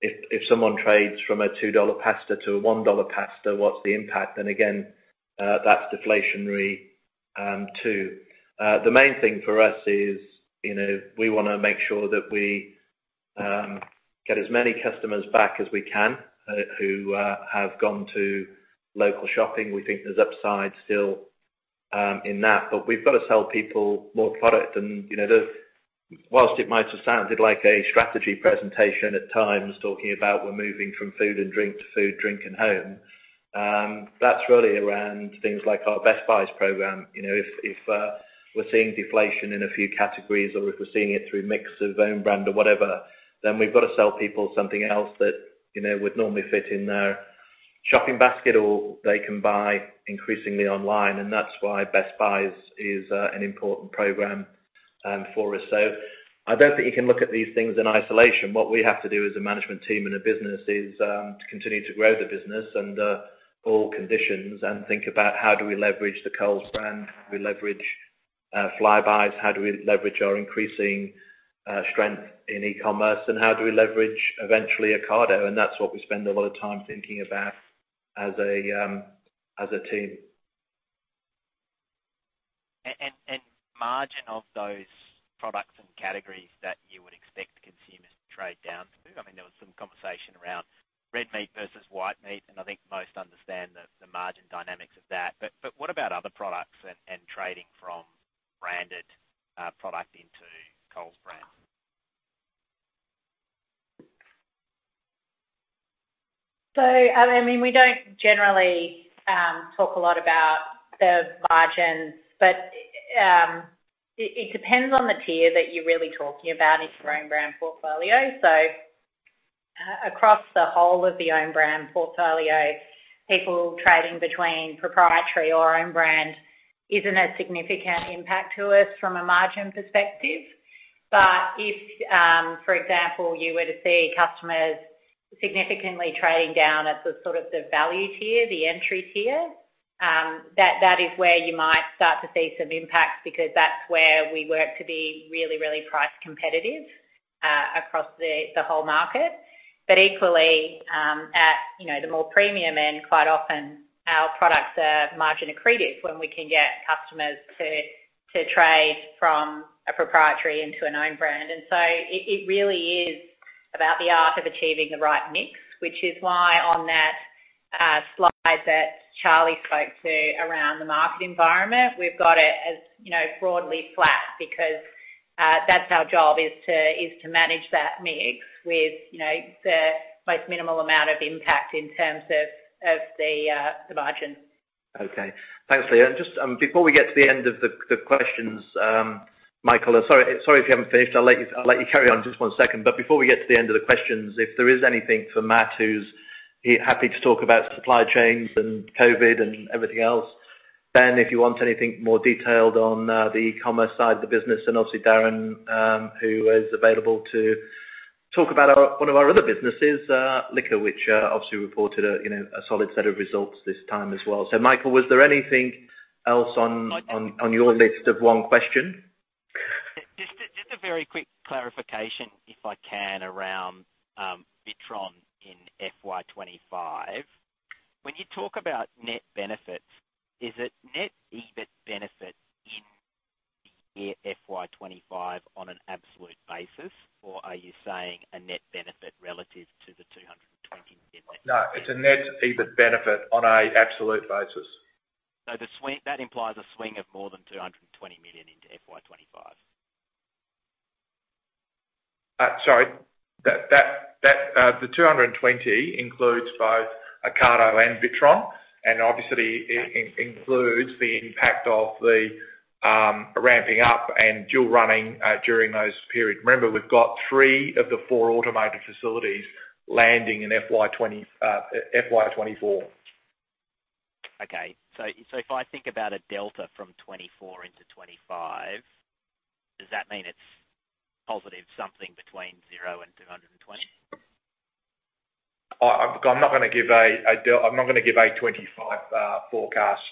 if someone trades from a 2 dollar pasta to a 1 dollar pasta, what's the impact? Again, that's deflationary too. The main thing for us is, you know, we wanna make sure that we get as many customers back as we can who have gone to local shopping. We think there's upside still in that. We've got to sell people more product and, you know, while it might have sounded like a strategy presentation at times, talking about we're moving from food and drink to food, drink, and home, that's really around things like our Best Buys program. You know, if we're seeing deflation in a few categories or if we're seeing it through mix of own brand or whatever, then we've got to sell people something else that, you know, would normally fit in their shopping basket, or they can buy increasingly online, and that's why Best Buys is an important program for us. So I don't think you can look at these things in isolation. What we have to do as a management team and a business is to continue to grow the business under all conditions and think about how do we leverage the Coles brand, how do we leverage Flybuys, how do we leverage our increasing strength in e-commerce, and how do we leverage eventually Ocado? That's what we spend a lot of time thinking about as a team. Margin of those products and categories that you would expect consumers to trade down to. I mean, there was some conversation around red meat versus white meat, and I think most understand the margin dynamics of that. But what about other products and trading from branded product into Coles brand? I mean, we don't generally talk a lot about the margins, but it depends on the tier that you're really talking about in your own brand portfolio. Across the whole of the own brand portfolio, people trading between proprietary or own brand isn't a significant impact to us from a margin perspective. If, for example, you were to see customers significantly trading down at the sort of the value tier, the entry tier, that is where you might start to see some impact because that's where we work to be really, really price competitive across the whole market. Equally, at you know, the more premium end, quite often our products are margin accretive when we can get customers to trade from a proprietary into an own brand. It really is about the art of achieving the right mix, which is why on that slide that Charlie spoke to around the market environment, we've got it as, you know, broadly flat because that's our job is to manage that mix with, you know, the most minimal amount of impact in terms of the margins. Okay. Thanks, Leah. Just before we get to the end of the questions, Michael, sorry if you haven't finished. I'll let you carry on just one second. Before we get to the end of the questions, if there is anything for Matt, who's happy to talk about supply chains and COVID and everything else. Ben, if you want anything more detailed on the e-commerce side of the business, and obviously Darren, who is available to talk about one of our other businesses, Liquor, which obviously reported, you know, a solid set of results this time as well. Michael, was there anything else on your list of one question? Just a very quick clarification, if I can, around Witron in FY 2025. When you talk about net benefits, is it net EBIT benefits in the year FY 2025 on an absolute basis, or are you saying a net benefit relative to the 220 million? No, it's a net EBIT benefit on an absolute basis. The swing that implies a swing of more than 220 million into FY 2025? AUD 220 million includes both Ocado and Witron, and obviously includes the impact of the ramping up and dual running during those periods. Remember, we've got three of the four Automated facilities landing in FY 2024. If I think about a delta from 2024 into 2025, does that mean it's positive something between 0 and 220? I'm not gonna give a 2025 forecast,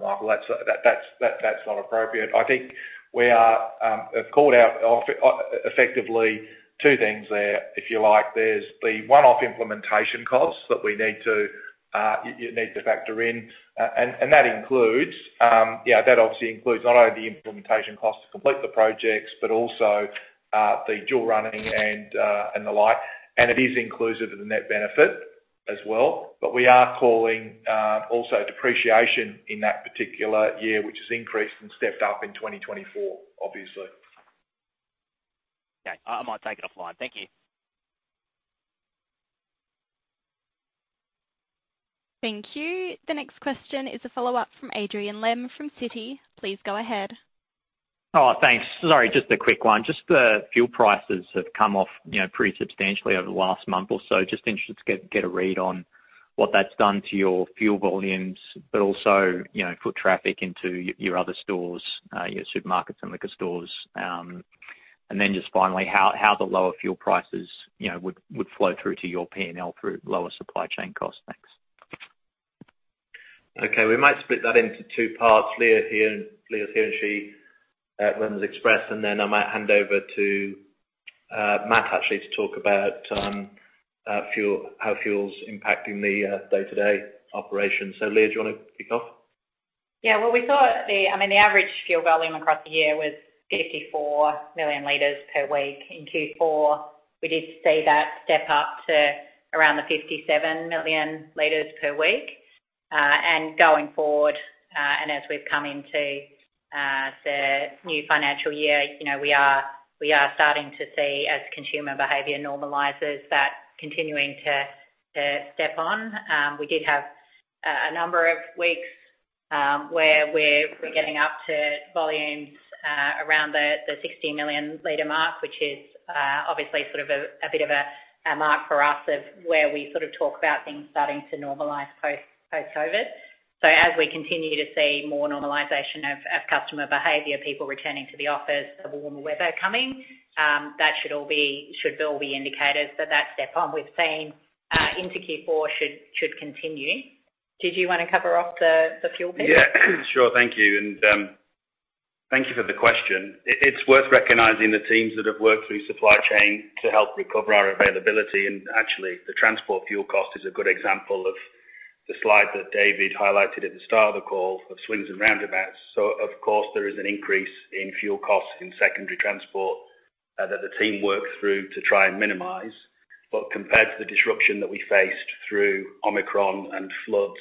Michael. That's not appropriate. I think we have called out effectively two things there, if you like. There's the one-off implementation costs that you need to factor in. And that includes, that obviously includes not only the implementation costs to complete the projects, but also the dual running and the like. It is inclusive of the net benefit as well. We are calling also depreciation in that particular year, which has increased and stepped up in 2024, obviously. Okay. I might take it offline. Thank you. Thank you. The next question is a follow-up from Adrian Lemme from Citigroup. Please go ahead. Oh, thanks. Sorry, just a quick one. Just the fuel prices have come off, you know, pretty substantially over the last month or so. Just interested to get a read on what that's done to your fuel volumes, but also, you know, foot traffic into your other stores, your supermarkets and liquor stores. Just finally, how the lower fuel prices, you know, would flow through to your P&L through lower supply chain costs? Thanks. Okay, we might split that into two parts. Leah's here, and she runs Express, and then I might hand over to Matt actually to talk about fuel, how fuel's impacting the day-to-day operations. Leah, do you wanna kick off? Yeah. Well, we saw, I mean, the average fuel volume across the year was 54 million L per week. In Q4, we did see that step up to around the 57 million L per week. Going forward, as we've come into the new financial year, you know, we are starting to see as consumer behavior normalizes that continuing to step up. We did have a number of weeks where we're getting up to volumes around the 60 million L mark, which is obviously sort of a bit of a mark for us of where we sort of talk about things starting to normalize post-COVID. As we continue to see more normalization of customer behavior, people returning to the office, the warmer weather coming, that should all be indicators that the step up we've seen into Q4 should continue. Did you want to cover off the fuel bit? Yeah sure. Thank you. Thank you for the question. It's worth recognizing the teams that have worked through supply chain to help recover our availability. Actually, the transport fuel cost is a good example of the slide that David highlighted at the start of the call of swings and roundabouts. Of course, there is an increase in fuel costs in secondary transport that the team worked through to try and minimize. Compared to the disruption that we faced through Omicron and floods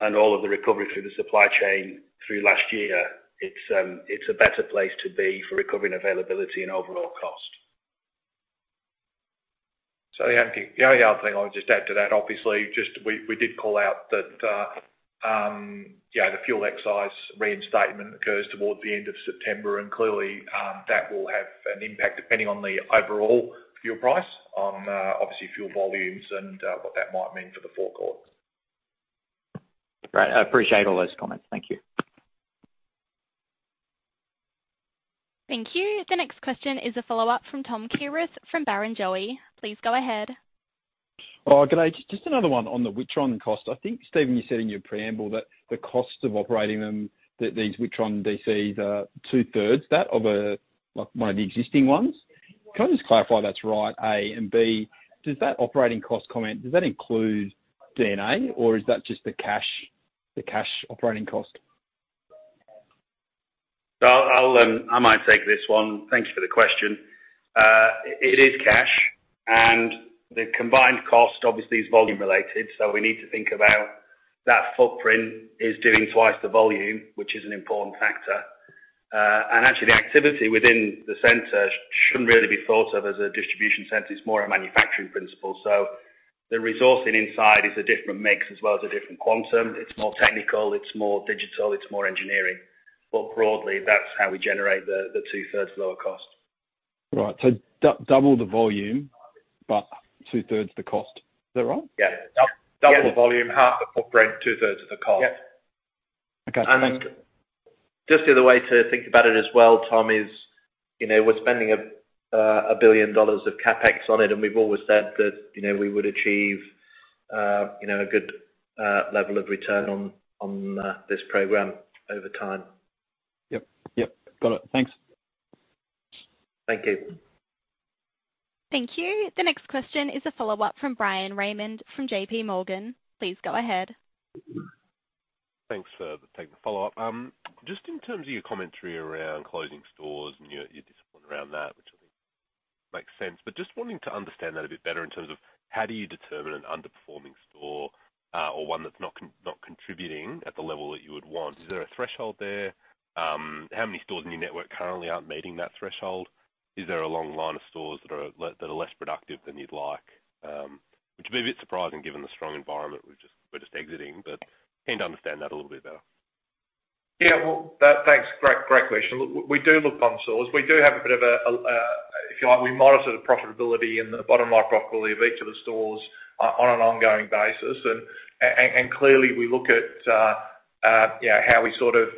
and all of the recovery through the supply chain through last year, it's a better place to be for recovering availability and overall cost. The only other thing I'll just add to that, obviously, just we did call out that the fuel excise reinstatement occurs toward the end of September, and clearly that will have an impact on fuel volumes depending on the overall fuel price, obviously, and what that might mean for the forecast. Great. I appreciate all those comments. Thank you. Thank you. The next question is a follow-up from Thomas Kierath from Barrenjoey. Please go ahead. Oh, g'day. Just another one on the Witron cost. I think, Steven, you said in your preamble that the cost of operating them, these Witron DCs are 2/3 that of a, like, one of the existing ones. Can I just clarify if that's right, A? B, does that operating cost comment, does that include D&A or is that just the cash operating cost? I'll take this one. Thank you for the question. It is cash, and the combined cost obviously is volume-related, so we need to think about that footprint is doing twice the volume, which is an important factor. Actually, the activity within the center shouldn't really be thought of as a distribution center. It's more a manufacturing principle. The resourcing inside is a different mix as well as a different quantum. It's more technical, it's more digital, it's more engineering. But broadly, that's how we generate the 2/3 lower cost. Right. Double the volume, but2/3 the cost. Is that right? Yeah. Double the volume, half the footprint, 2/3 of the cost. Yeah. Okay. Just the other way to think about it as well, Thomas, you know, we're spending 1 billion dollars of CapEx on it, and we've always said that, you know, we would achieve a good level of return on this program over time. Yep. Got it. Thanks. Thank you. Thank you. The next question is a follow-up from Bryan Raymond from JPMorgan. Please go ahead. Thanks for taking the follow-up. Just in terms of your commentary around closing stores and your discipline around that, which I think makes sense. Just wanting to understand that a bit better in terms of how do you determine an underperforming store, or one that's not contributing at the level that you would want. Is there a threshold there? How many stores in your network currently aren't meeting that threshold? Is there a long line of stores that are less productive than you'd like? Which would be a bit surprising given the strong environment we're just exiting? Keen to understand that a little bit better. Well, thanks. Great question. Look, we do look at stores. We do have a bit of a, if you like, we monitor the profitability and the bottom line profitability of each of the stores on an ongoing basis. Clearly, we look at you know, how we sort of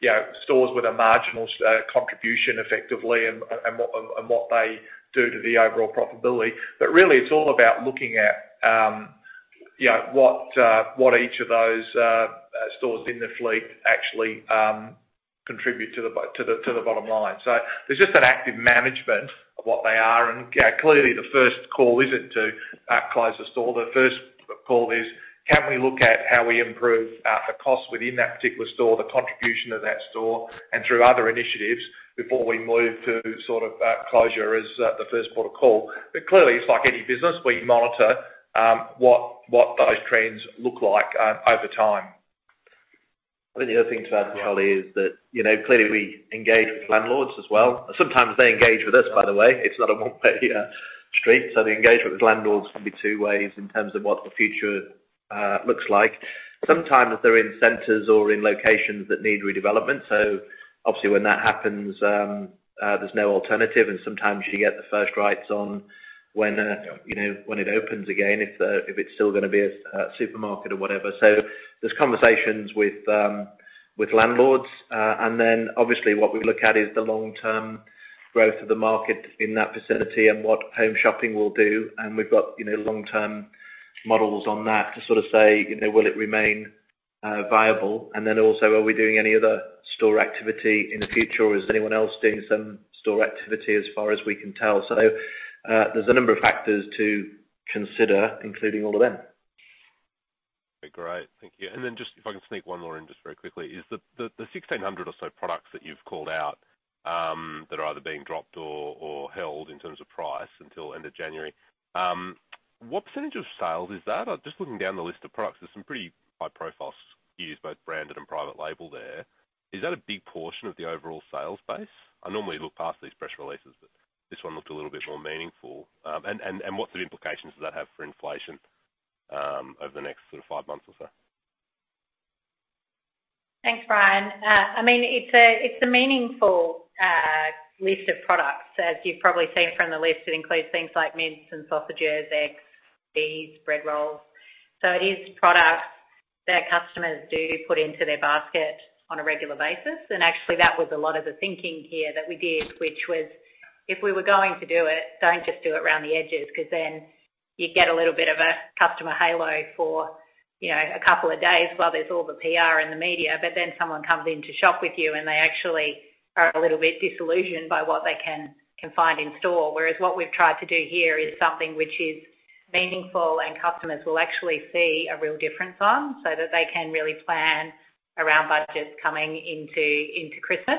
you know, stores with a marginal contribution effectively and what they do to the overall profitability. Really, it's all about looking at you know, what each of those stores in the fleet actually contribute to the bottom line. There's just an active management of what they are. You know, clearly the first call isn't to close the store. The first call is, can we look at how we improve the cost within that particular store, the contribution of that store, and through other initiatives before we move to sort of closure as the first port of call. Clearly it's like any business, we monitor what those trends look like over time. I think the other thing to add there, Charlie, is that, you know, clearly we engage with landlords as well. Sometimes they engage with us, by the way. It's not a one-way street, so the engagement with landlords can be two ways in terms of what the future looks like. Sometimes they're in centers or in locations that need redevelopment, so obviously when that happens, there's no alternative, and sometimes you get the first rights on when, you know, when it opens again, if it's still gonna be a supermarket or whatever. So there's conversations with landlords. Obviously what we look at is the long-term growth of the market in that vicinity and what home shopping will do, and we've got, you know, long-term models on that to sort of say, you know, will it remain viable? Also, are we doing any other store activity in the future or is anyone else doing some store activity as far as we can tell? There's a number of factors to consider, including all of them. Okay. Great. Thank you. Then just if I can sneak one more in just very quickly. Is the 1,600 or so products that you've called out that are either being dropped or held in terms of price until end of January what percentage of sales is that? I'm just looking down the list of products. There's some pretty high-profile SKUs, both branded and private label there. Is that a big portion of the overall sales base? I normally look past these press releases, but this one looked a little bit more meaningful. What sort of implications does that have for inflation over the next sort of five months or so? Thanks, Bryan. I mean, it's a meaningful list of products. As you've probably seen from the list, it includes things like mince and sausages, eggs, cheese, bread rolls. It is products. Their customers do put into their basket on a regular basis. Actually, that was a lot of the thinking here that we did, which was if we were going to do it, don't just do it around the edges, 'cause then you get a little bit of a customer halo for, you know, a couple of days while there's all the PR in the media, but then someone comes in to shop with you, and they actually are a little bit disillusioned by what they can find in store. Whereas what we've tried to do here is something which is meaningful and customers will actually see a real difference on so that they can really plan around budgets coming into Christmas.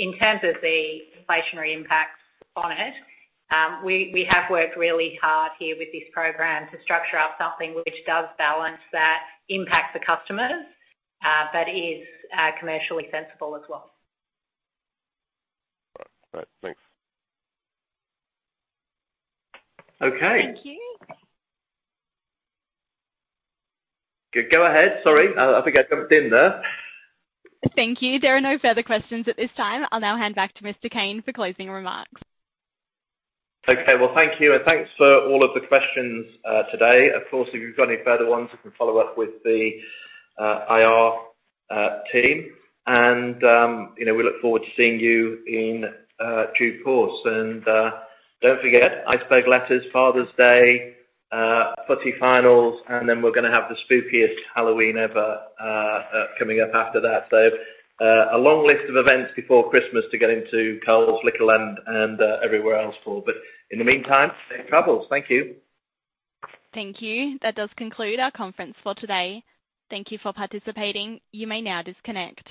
In terms of the inflationary impacts on it, we have worked really hard here with this program to structure up something which does balance that impact for customers, but is commercially sensible as well. All right. Thanks. Okay. Thank you. Go ahead. Sorry. I think I jumped in there. Thank you. There are no further questions at this time. I'll now hand back to Mr. Cain for closing remarks. Okay. Well, thank you, and thanks for all of the questions today. Of course, if you've got any further ones, you can follow up with the IR team. You know, we look forward to seeing you in due course. Don't forget, iceberg lettuce, Father's Day, footy finals, and then we're gonna have the spookiest Halloween ever coming up after that. A long list of events before Christmas to get into Coles, Liquorland and everywhere else for. In the meantime, safe travels. Thank you. Thank you. That does conclude our conference for today. Thank you for participating. You may now disconnect.